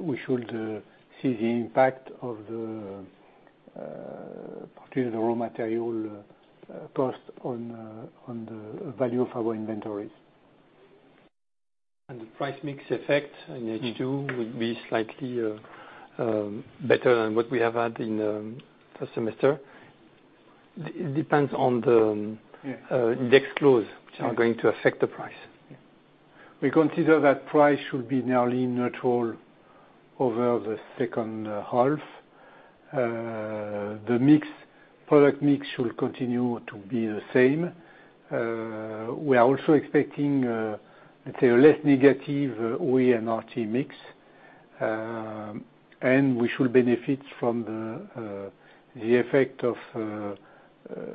we should see the impact of the particularly the raw material cost on the value of our inventories. The price mix effect in H2 would be slightly better than what we have had in first semester. It depends on the. Yeah... index close, which are going to affect the price. We consider that price should be nearly neutral over the second half. The mix, product mix should continue to be the same. We are also expecting, let's say, a less negative OE and RT mix. We should benefit from the effect of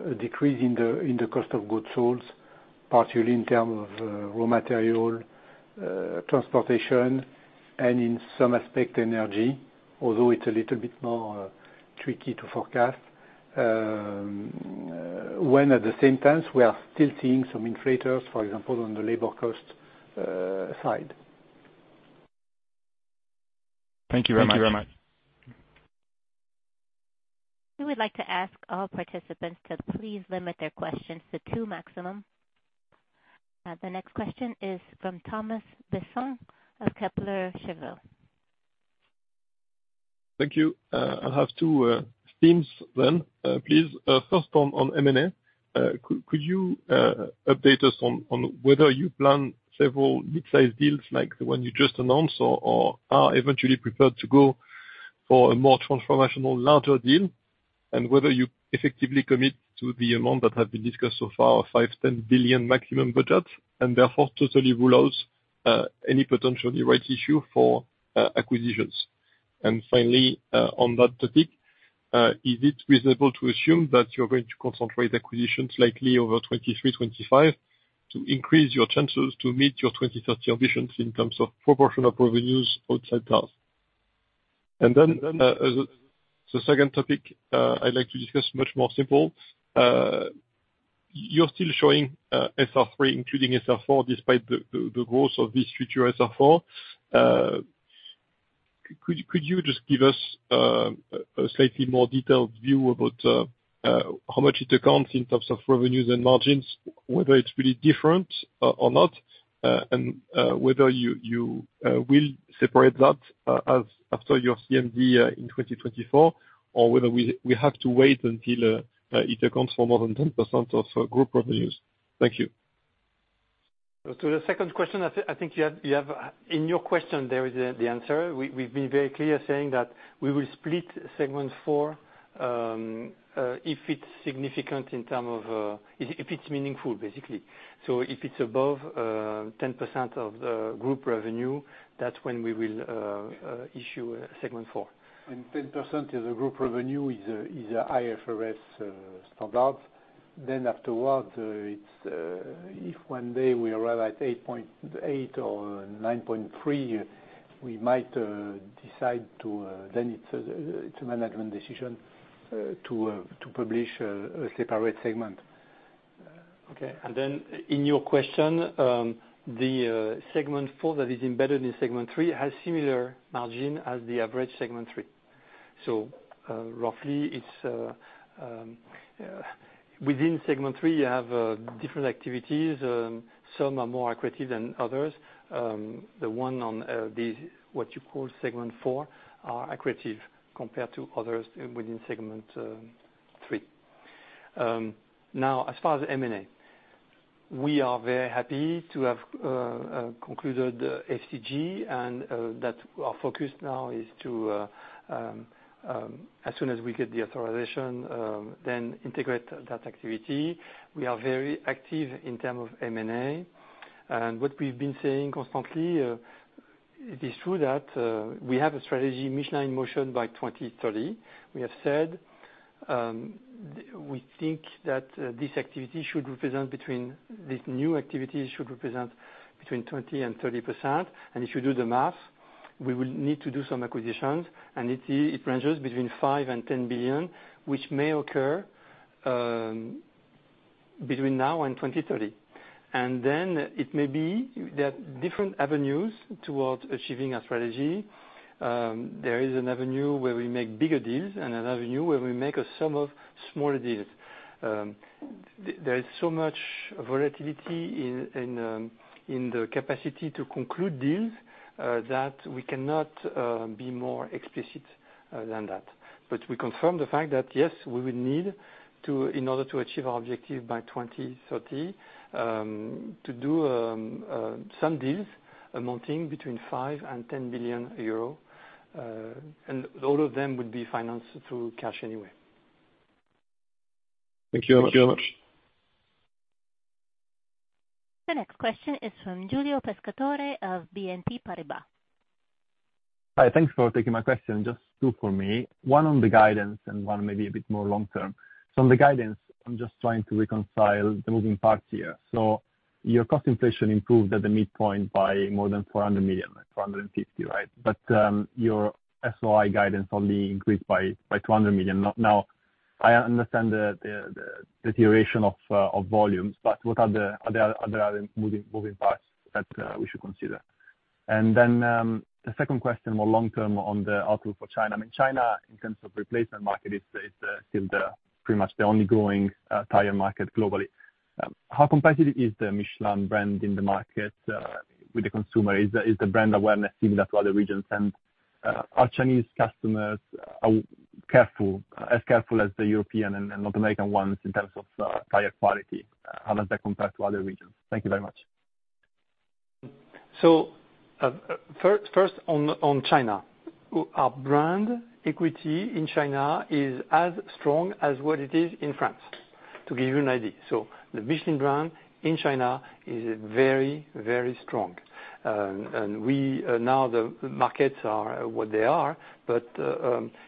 a decrease in the cost of goods sold, particularly in terms of raw material, transportation, and in some aspect, energy, although it's a little bit more tricky to forecast. When at the same time, we are still seeing some inflators, for example, on the labor cost side. Thank you very much. We would like to ask all participants to please limit their questions to two maximum. The next question is from Thomas Besson of Kepler Cheuvreux. Thank you. I have two themes then, please. First one on M&A. Could you update us on whether you plan several mid-sized deals like the one you just announced, or are eventually prepared to go for a more transformational larger deal? Whether you effectively commit to the amount that have been discussed so far, 5 billion-10 billion maximum budget, and therefore totally rule out any potential new rights issue for acquisitions. Finally, on that topic, is it reasonable to assume that you're going to concentrate acquisitions likely over 2023-2025, to increase your chances to meet your 2030 ambitions in terms of proportion of revenues outside cars? Then, the second topic, I'd like to discuss, much more simple. You're still showing SR3, including SR4, despite the growth of this future SR4. Could you just give us a slightly more detailed view about how much it accounts in terms of revenues and margins, whether it's really different or not, and whether you will separate that as after your CMD in 2024, or whether we have to wait until it accounts for more than 10% of group revenues? Thank you. To the second question, I think you have. In your question, there is the answer. We've been very clear saying that we will split segment four, if it's significant in term of, if it's meaningful, basically. If it's above, 10% of the group revenue, that's when we will issue segment four. 10% of the group revenue is a IFRS standard. Afterward, it's if one day we arrive at 8.8 or 9.3, we might decide to, then it's a management decision, to publish a separate segment. Okay, in your question, the segment four that is embedded in segment three, has similar margin as the average segment three. Roughly it's within segment three, you have different activities, some are more accretive than others. The one on the, what you call segment four, are accretive compared to others within segment three. Now as far as M&A, we are very happy to have concluded FCG, that our focus now is to as soon as we get the authorization, then integrate that activity. We are very active in terms of M&A, what we've been saying constantly, it is true that we have a strategy Michelin in Motion 2030. We have said, we think that this activity should represent between... This new activity should represent between 20% and 30%, and if you do the math, we will need to do some acquisitions, and it ranges between 5 billion and 10 billion, which may occur between now and 2030. It may be that different avenues towards achieving our strategy, there is an avenue where we make bigger deals, and an avenue where we make a sum of smaller deals. There is so much volatility in the capacity to conclude deals that we cannot be more explicit than that. We confirm the fact that, yes, we will need to, in order to achieve our objective by 2030, to do some deals amounting between 5 billion and 10 billion euro, and all of them would be financed through cash anyway. Thank you very much. The next question is from Giulio Pescatore of BNP Paribas. Hi, thanks for taking my question. Just two for me, one on the guidance and one maybe a bit more long term. On the guidance, I'm just trying to reconcile the moving parts here. Your cost inflation improved at the midpoint by more than 400 million, like 450 million, right? Your SOI guidance only increased by 200 million. Now, I understand the duration of volumes, but what are the other moving parts that we should consider? The second question, more long term, on the outlook for China. I mean, China in terms of replacement market is still the pretty much the only growing tire market globally. How competitive is the Michelin brand in the market with the consumer? Is the brand awareness similar to other regions? Are Chinese customers careful, as careful as the European and North American ones in terms of tire quality? How does that compare to other regions? Thank you very much. First on China. Our brand equity in China is as strong as what it is in France, to give you an idea. The Michelin brand in China is very, very strong. We, now the markets are what they are, but,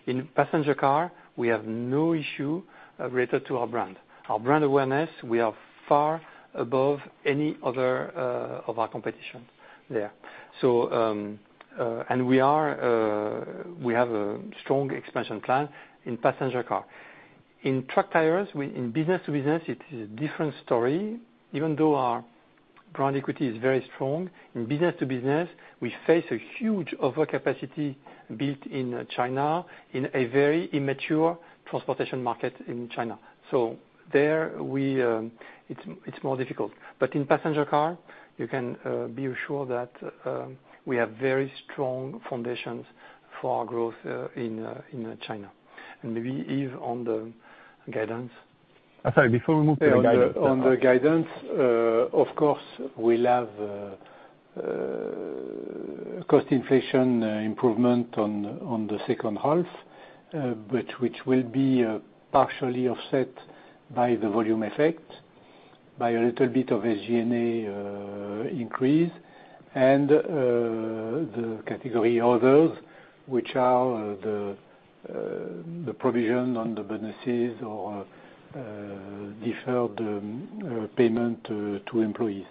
in passenger car, we have no issue related to our brand. Our brand awareness, we are far above any other of our competition there. We are, we have a strong expansion plan in passenger car. In truck tires, we, in business to business, it is a different story. Even though our brand equity is very strong, in business to business, we face a huge overcapacity built in, China, in a very immature transportation market in China. There we, it's more difficult. In passenger car, you can be assured that we have very strong foundations for our growth in China. Maybe Yves on the guidance. I'm sorry, before we move to the guidance. On the guidance, of course, we'll have cost inflation, improvement on the second half, but which will be partially offset by the volume effect, by a little bit of SG&A increase, and the category others, which are the provision on the bonuses or deferred payment to employees.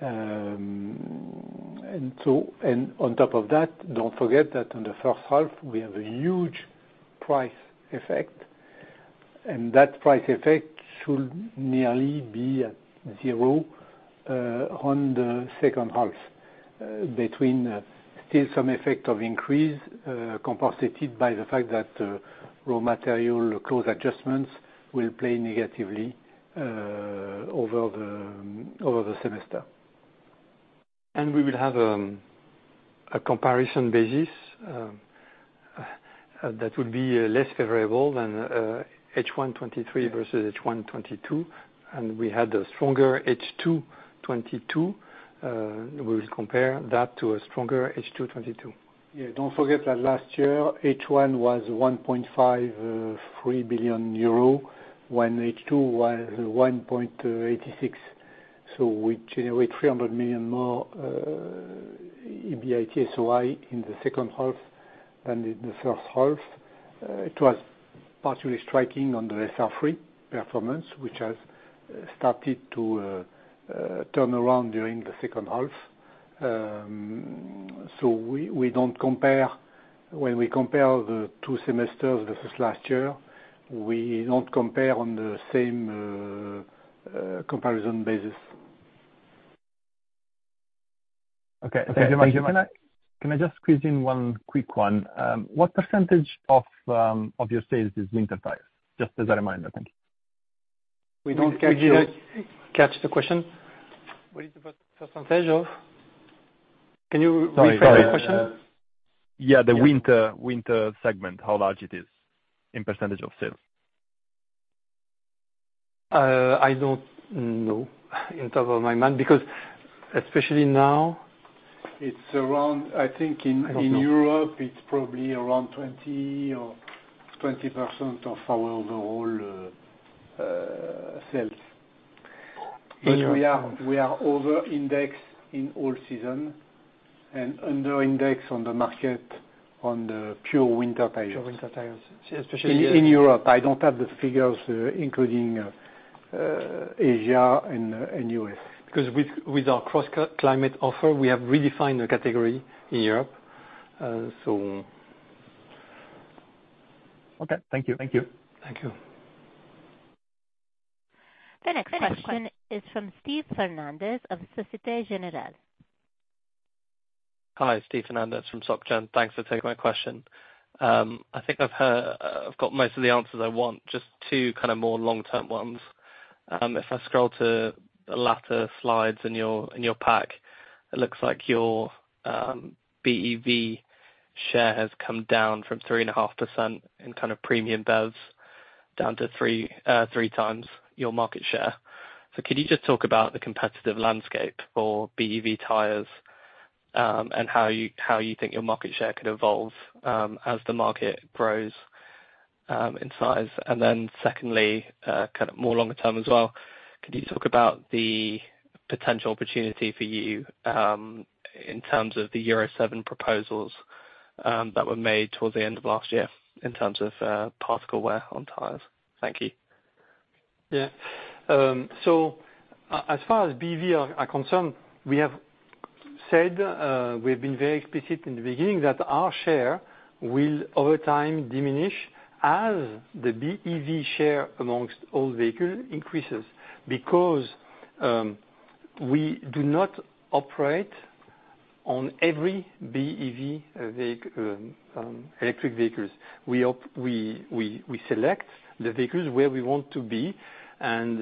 On top of that, don't forget that on the first half, we have a huge price effect, and that price effect should nearly be at 0 on the second half, between still some effect of increase, compensated by the fact that raw material, close adjustments will play negatively over the semester. We will have a comparison basis that will be less favorable than H1 2023 versus H1 2022. We had a stronger H2 2022. We will compare that to a stronger H2 2022. Don't forget that last year, H1 was 1.53 billion euro, when H2 was 1.86 billion. We generate 300 million more EBIT SOI in the second half than in the first half. It was partially striking on the SR3 performance, which has started to turn around during the second half. When we compare the two semesters versus last year, we don't compare on the same comparison basis. Okay. Thank you much. Can I just squeeze in one quick one? What percentage of your sales is winter tires? Just as a reminder. Thank you. We don't catch the question. Can you repeat the question? Sorry. Yeah, the winter segment, how large it is in % of sales? I don't know, in the top of my mind, because it's around, I think, in Europe, it's probably around 20% or 20% of our overall sales. We are over-index in all-season and under-index on the market on the pure winter tires. Pure winter tires. In Europe, I don't have the figures, including Asia and U.S. With our MICHELIN CrossClimate offer, we have redefined the category in Europe. Okay, thank you. Thank you. Thank you. The next question is from Steve Fernandes of Societe Generale. Hi, Steve Fernandes from Soc Gen. Thanks for taking my question. I think I've heard, I've got most of the answers I want. Just two, kind of, more long term ones. If I scroll to the latter slides in your, in your pack, it looks like your BEV share has come down from 3.5% in kind of premium BEVs, down to 3x your market share. Could you just talk about the competitive landscape for BEV tires, and how you, how you think your market share could evolve, as the market grows, in size? Secondly, kind of, more longer term as well, could you talk about the potential opportunity for you, in terms of the Euro 7 proposals, that were made towards the end of last year, in terms of, particle wear on tires? Thank you. Yeah. As far as BEV are concerned, we have said, we've been very explicit in the beginning, that our share will, over time, diminish as the BEV share amongst all vehicle increases, because we do not operate on every BEV electric vehicles. We select the vehicles where we want to be, and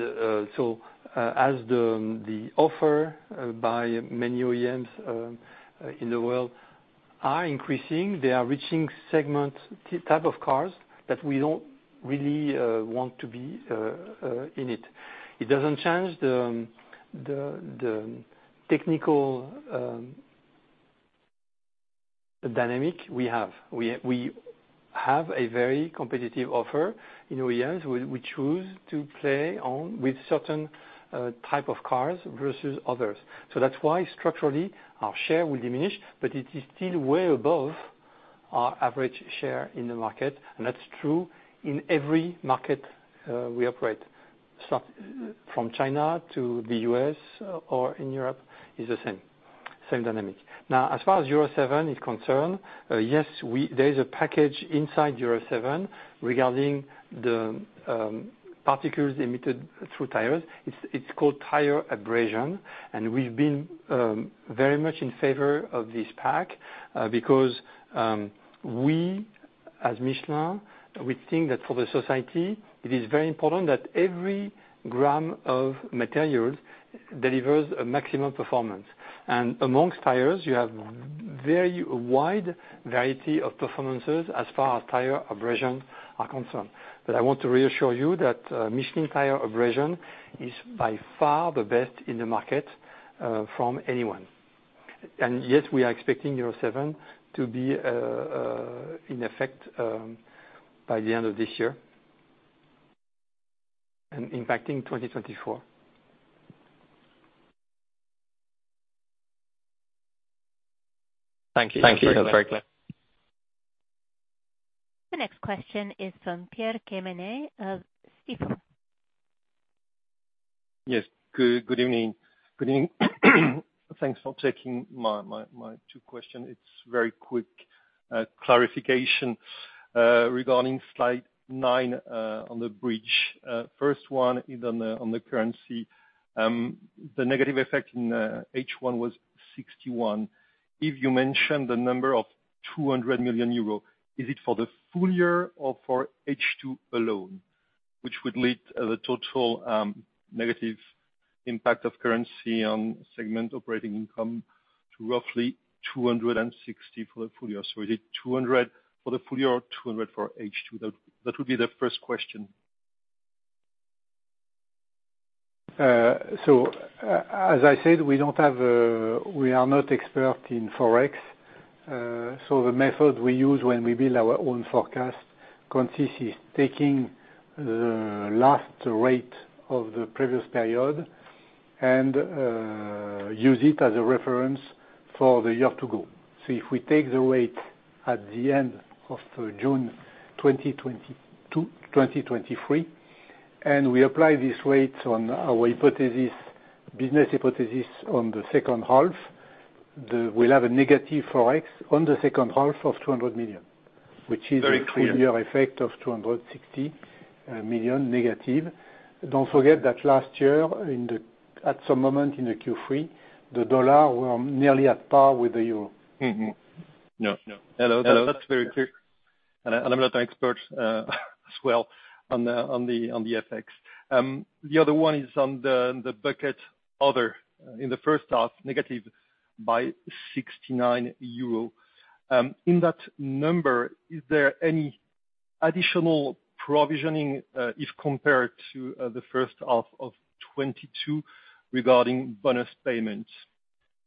as the offer by many OEMs in the world are increasing, they are reaching segment type of cars that we don't really want to be in it. It doesn't change the technical dynamic we have. We have a very competitive offer in OEMs. We choose to play on with certain type of cars versus others. That's why structurally, our share will diminish, but it is still way above our average share in the market, we operate. From China to the U.S. or in Europe, is the same dynamic. As far as Euro 7 is concerned, yes, there is a package inside Euro 7 regarding the particles emitted through tires. It's called tire abrasion, and we've been very much in favor of this pack because we, as Michelin, we think that for the society, it is very important that every gram of materials delivers a maximum performance. Amongst tires, you have very wide variety of performances as far as tire abrasion are concerned. I want to reassure you that Michelin tire abrasion is by far the best in the market from anyone. Yes, we are expecting Euro 7 to be in effect by the end of this year. Impacting 2024. Thank you. Thank you, that's very clear. The next question is from Pierre-Yves Quemener of Stifel. Yes, good. Good evening. Good evening. Thanks for taking my two question. It's very quick clarification regarding slide nine on the bridge. First one is on the currency. The negative effect in H1 was 61. If you mention the number of 200 million euros, is it for the full year or for H2 alone? Which would lead the total negative impact of currency on segment operating income to roughly 260 for the full year. Is it 200 for the full year, or 200 for H2? That would be the first question. As I said, we don't have we are not expert in Forex. The method we use when we build our own forecast consists taking the last rate of the previous period and use it as a reference for the year to go. If we take the rate at the end of June 2022, 2023, and we apply these rates on our hypothesis, business hypothesis on the second half, we'll have a negative Forex on the second half of 200 million. Very clear. Which is a full year effect of 260 million negative. Don't forget that last year, at some moment in Q3, the dollar were nearly at par with the euro. Yeah, yeah. Hello, that's very clear. I'm not an expert as well on the FX. The other one is on the bucket, other, in the first half, negative by 69 euro. In that number, is there any additional provisioning if compared to the first half of 2022 regarding bonus payments?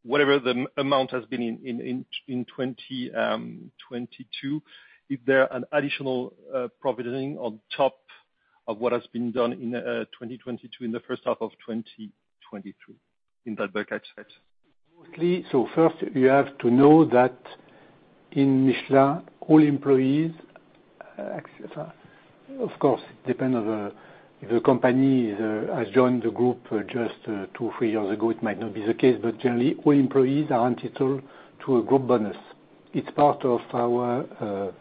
Whatever the amount has been in 2022, is there an additional provisioning on top of what has been done in 2022, in the first half of 2023, in that bucket set? First you have to know that in Michelin, all employees. Of course, it depends on the, if the company has joined the group just two, three years ago, it might not be the case, but generally, all employees are entitled to a group bonus. It's part of our,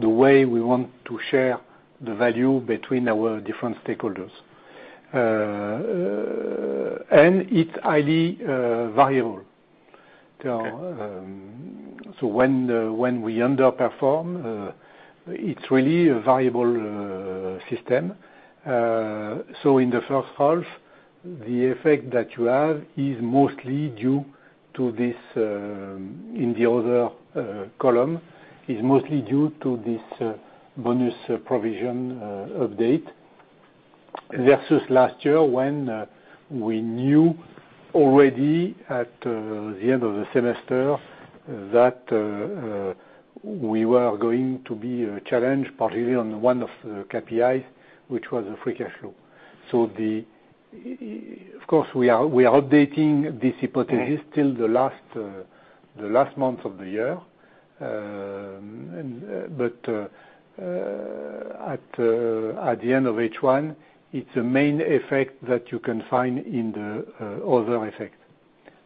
the way we want to share the value between our different stakeholders. It's highly variable. Okay. When we underperform, it's really a variable system. In the first half, the effect that you have is mostly due to this, in the other column, is mostly due to this bonus provision update. Versus last year, when we knew already at the end of the semester, that we were going to be challenged, particularly on one of the KPIs, which was the free cash flow. Of course, we are updating this hypothesis- Right. till the last, the last month of the year. At the end of H1, it's a main effect that you can find in the other effect.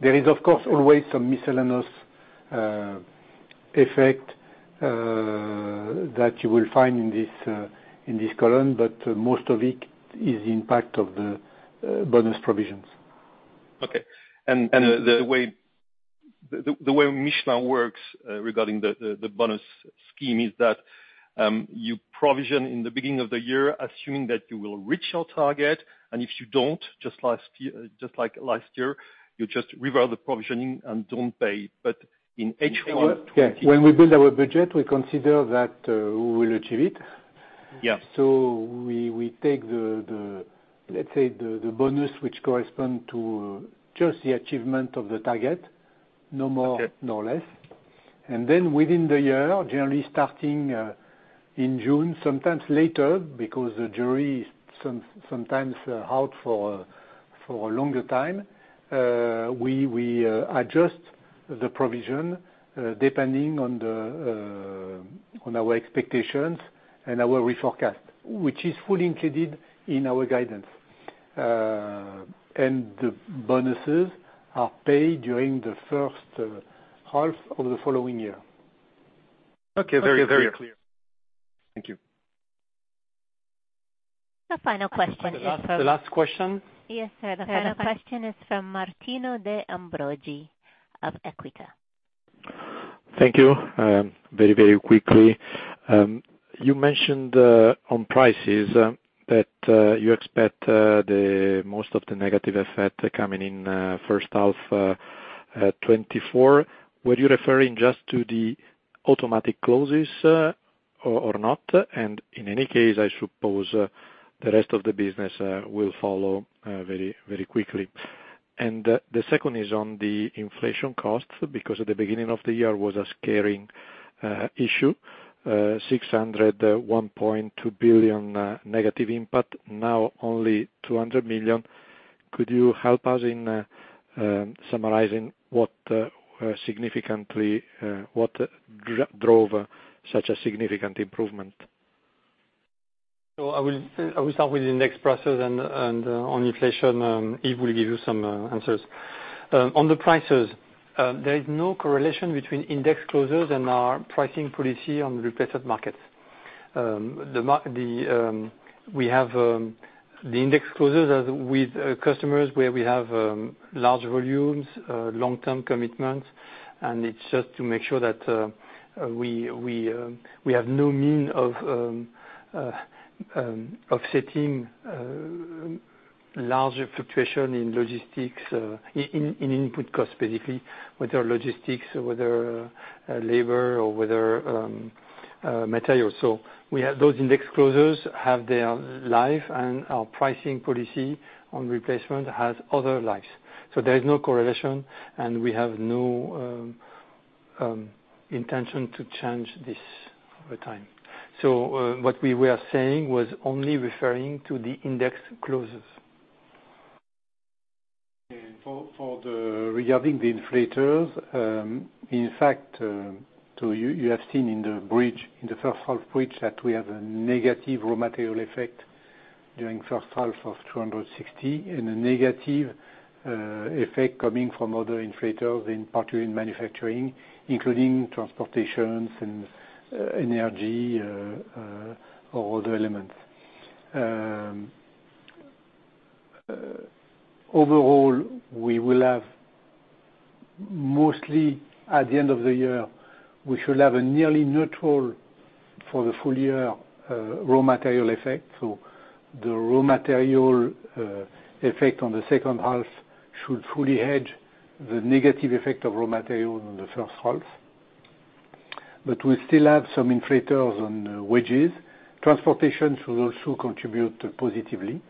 There is, of course, always some miscellaneous effect that you will find in this in this column, but most of it is the impact of the bonus provisions. Okay. The way Michelin works, regarding the bonus scheme is that, you provision in the beginning of the year, assuming that you will reach your target, if you don't, just like last year, you just revert the provisioning and don't pay, in H1. Yeah, when we build our budget, we consider that, we will achieve it. Yeah. We take the, let's say the bonus, which correspond to just the achievement of the target. Okay. No more, no less. Within the year, generally starting in June, sometimes later, because the jury is sometimes out for a longer time, we adjust the provision depending on the.... on our expectations and our reforecast, which is fully included in our guidance. The bonuses are paid during the first half of the following year. Okay. Very, very clear. Thank you. The final question is. The last question? Yes, the final question is from Martino De Ambroggi of Equita. Thank you. Very, very quickly. You mentioned on prices that you expect the most of the negative effect coming in first half 2024. Were you referring just to the automatic clauses or not? In any case, I suppose the rest of the business will follow very, very quickly. The second is on the inflation costs, because at the beginning of the year was a scaring issue, 600, 1.2 billion negative impact, now only 200 million. Could you help us in summarizing what significantly drove such a significant improvement? I will start with the index prices and on inflation, Yves will give you some answers. On the prices, there is no correlation between index closures and our pricing policy on replaced markets. The index closures as with customers, where we have large volumes, long-term commitments, and it's just to make sure that we have no mean of offsetting larger fluctuation in logistics, in input costs, basically, whether logistics, whether labor or whether materials. We have those index closures have their life, and our pricing policy on replacement has other lives. There is no correlation, and we have no intention to change this over time. What we were saying was only referring to the index closures. Regarding the inflators, you have seen in the bridge, in the first half bridge, that we have a negative raw material effect during first half of 260 million, and a negative effect coming from other inflators, in particular in manufacturing, including transportation and energy, or other elements. Overall, we will have mostly at the end of the year, we should have a nearly neutral for the full year raw material effect. The raw material effect on the second half should fully hedge the negative effect of raw material on the first half. We still have some inflators on wages. Transportation should also contribute positively.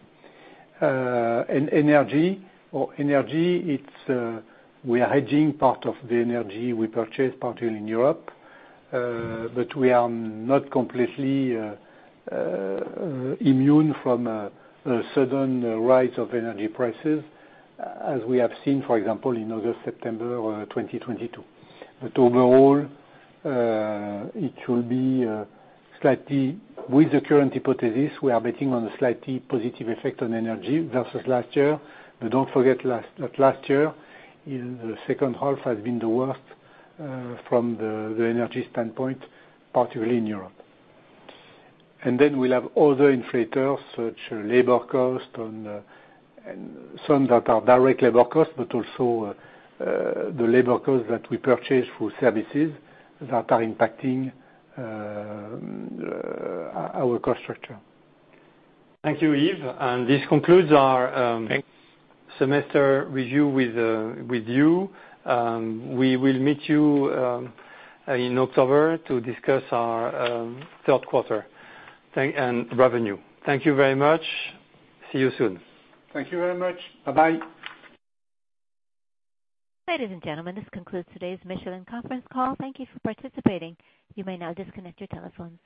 And energy, or energy, it's, we are hedging part of the energy we purchase, particularly in Europe, but we are not completely immune from a sudden rise of energy prices as we have seen, for example, in August, September of 2022. Overall, it will be slightly with the current hypothesis, we are betting on a slightly positive effect on energy versus last year. Don't forget that last year, in the second half, has been the worst from the energy standpoint, particularly in Europe. We'll have other inflators, such labor cost and some that are direct labor costs, but also the labor costs that we purchase for services that are impacting our cost structure. Thank you, Yves. This concludes our. Thanks semester review with you. We will meet you in October to discuss our third quarter and revenue. Thank you very much. See you soon. Thank you very much. Bye-bye. Ladies and gentlemen, this concludes today's Michelin conference call. Thank you for participating. You may now disconnect your telephones.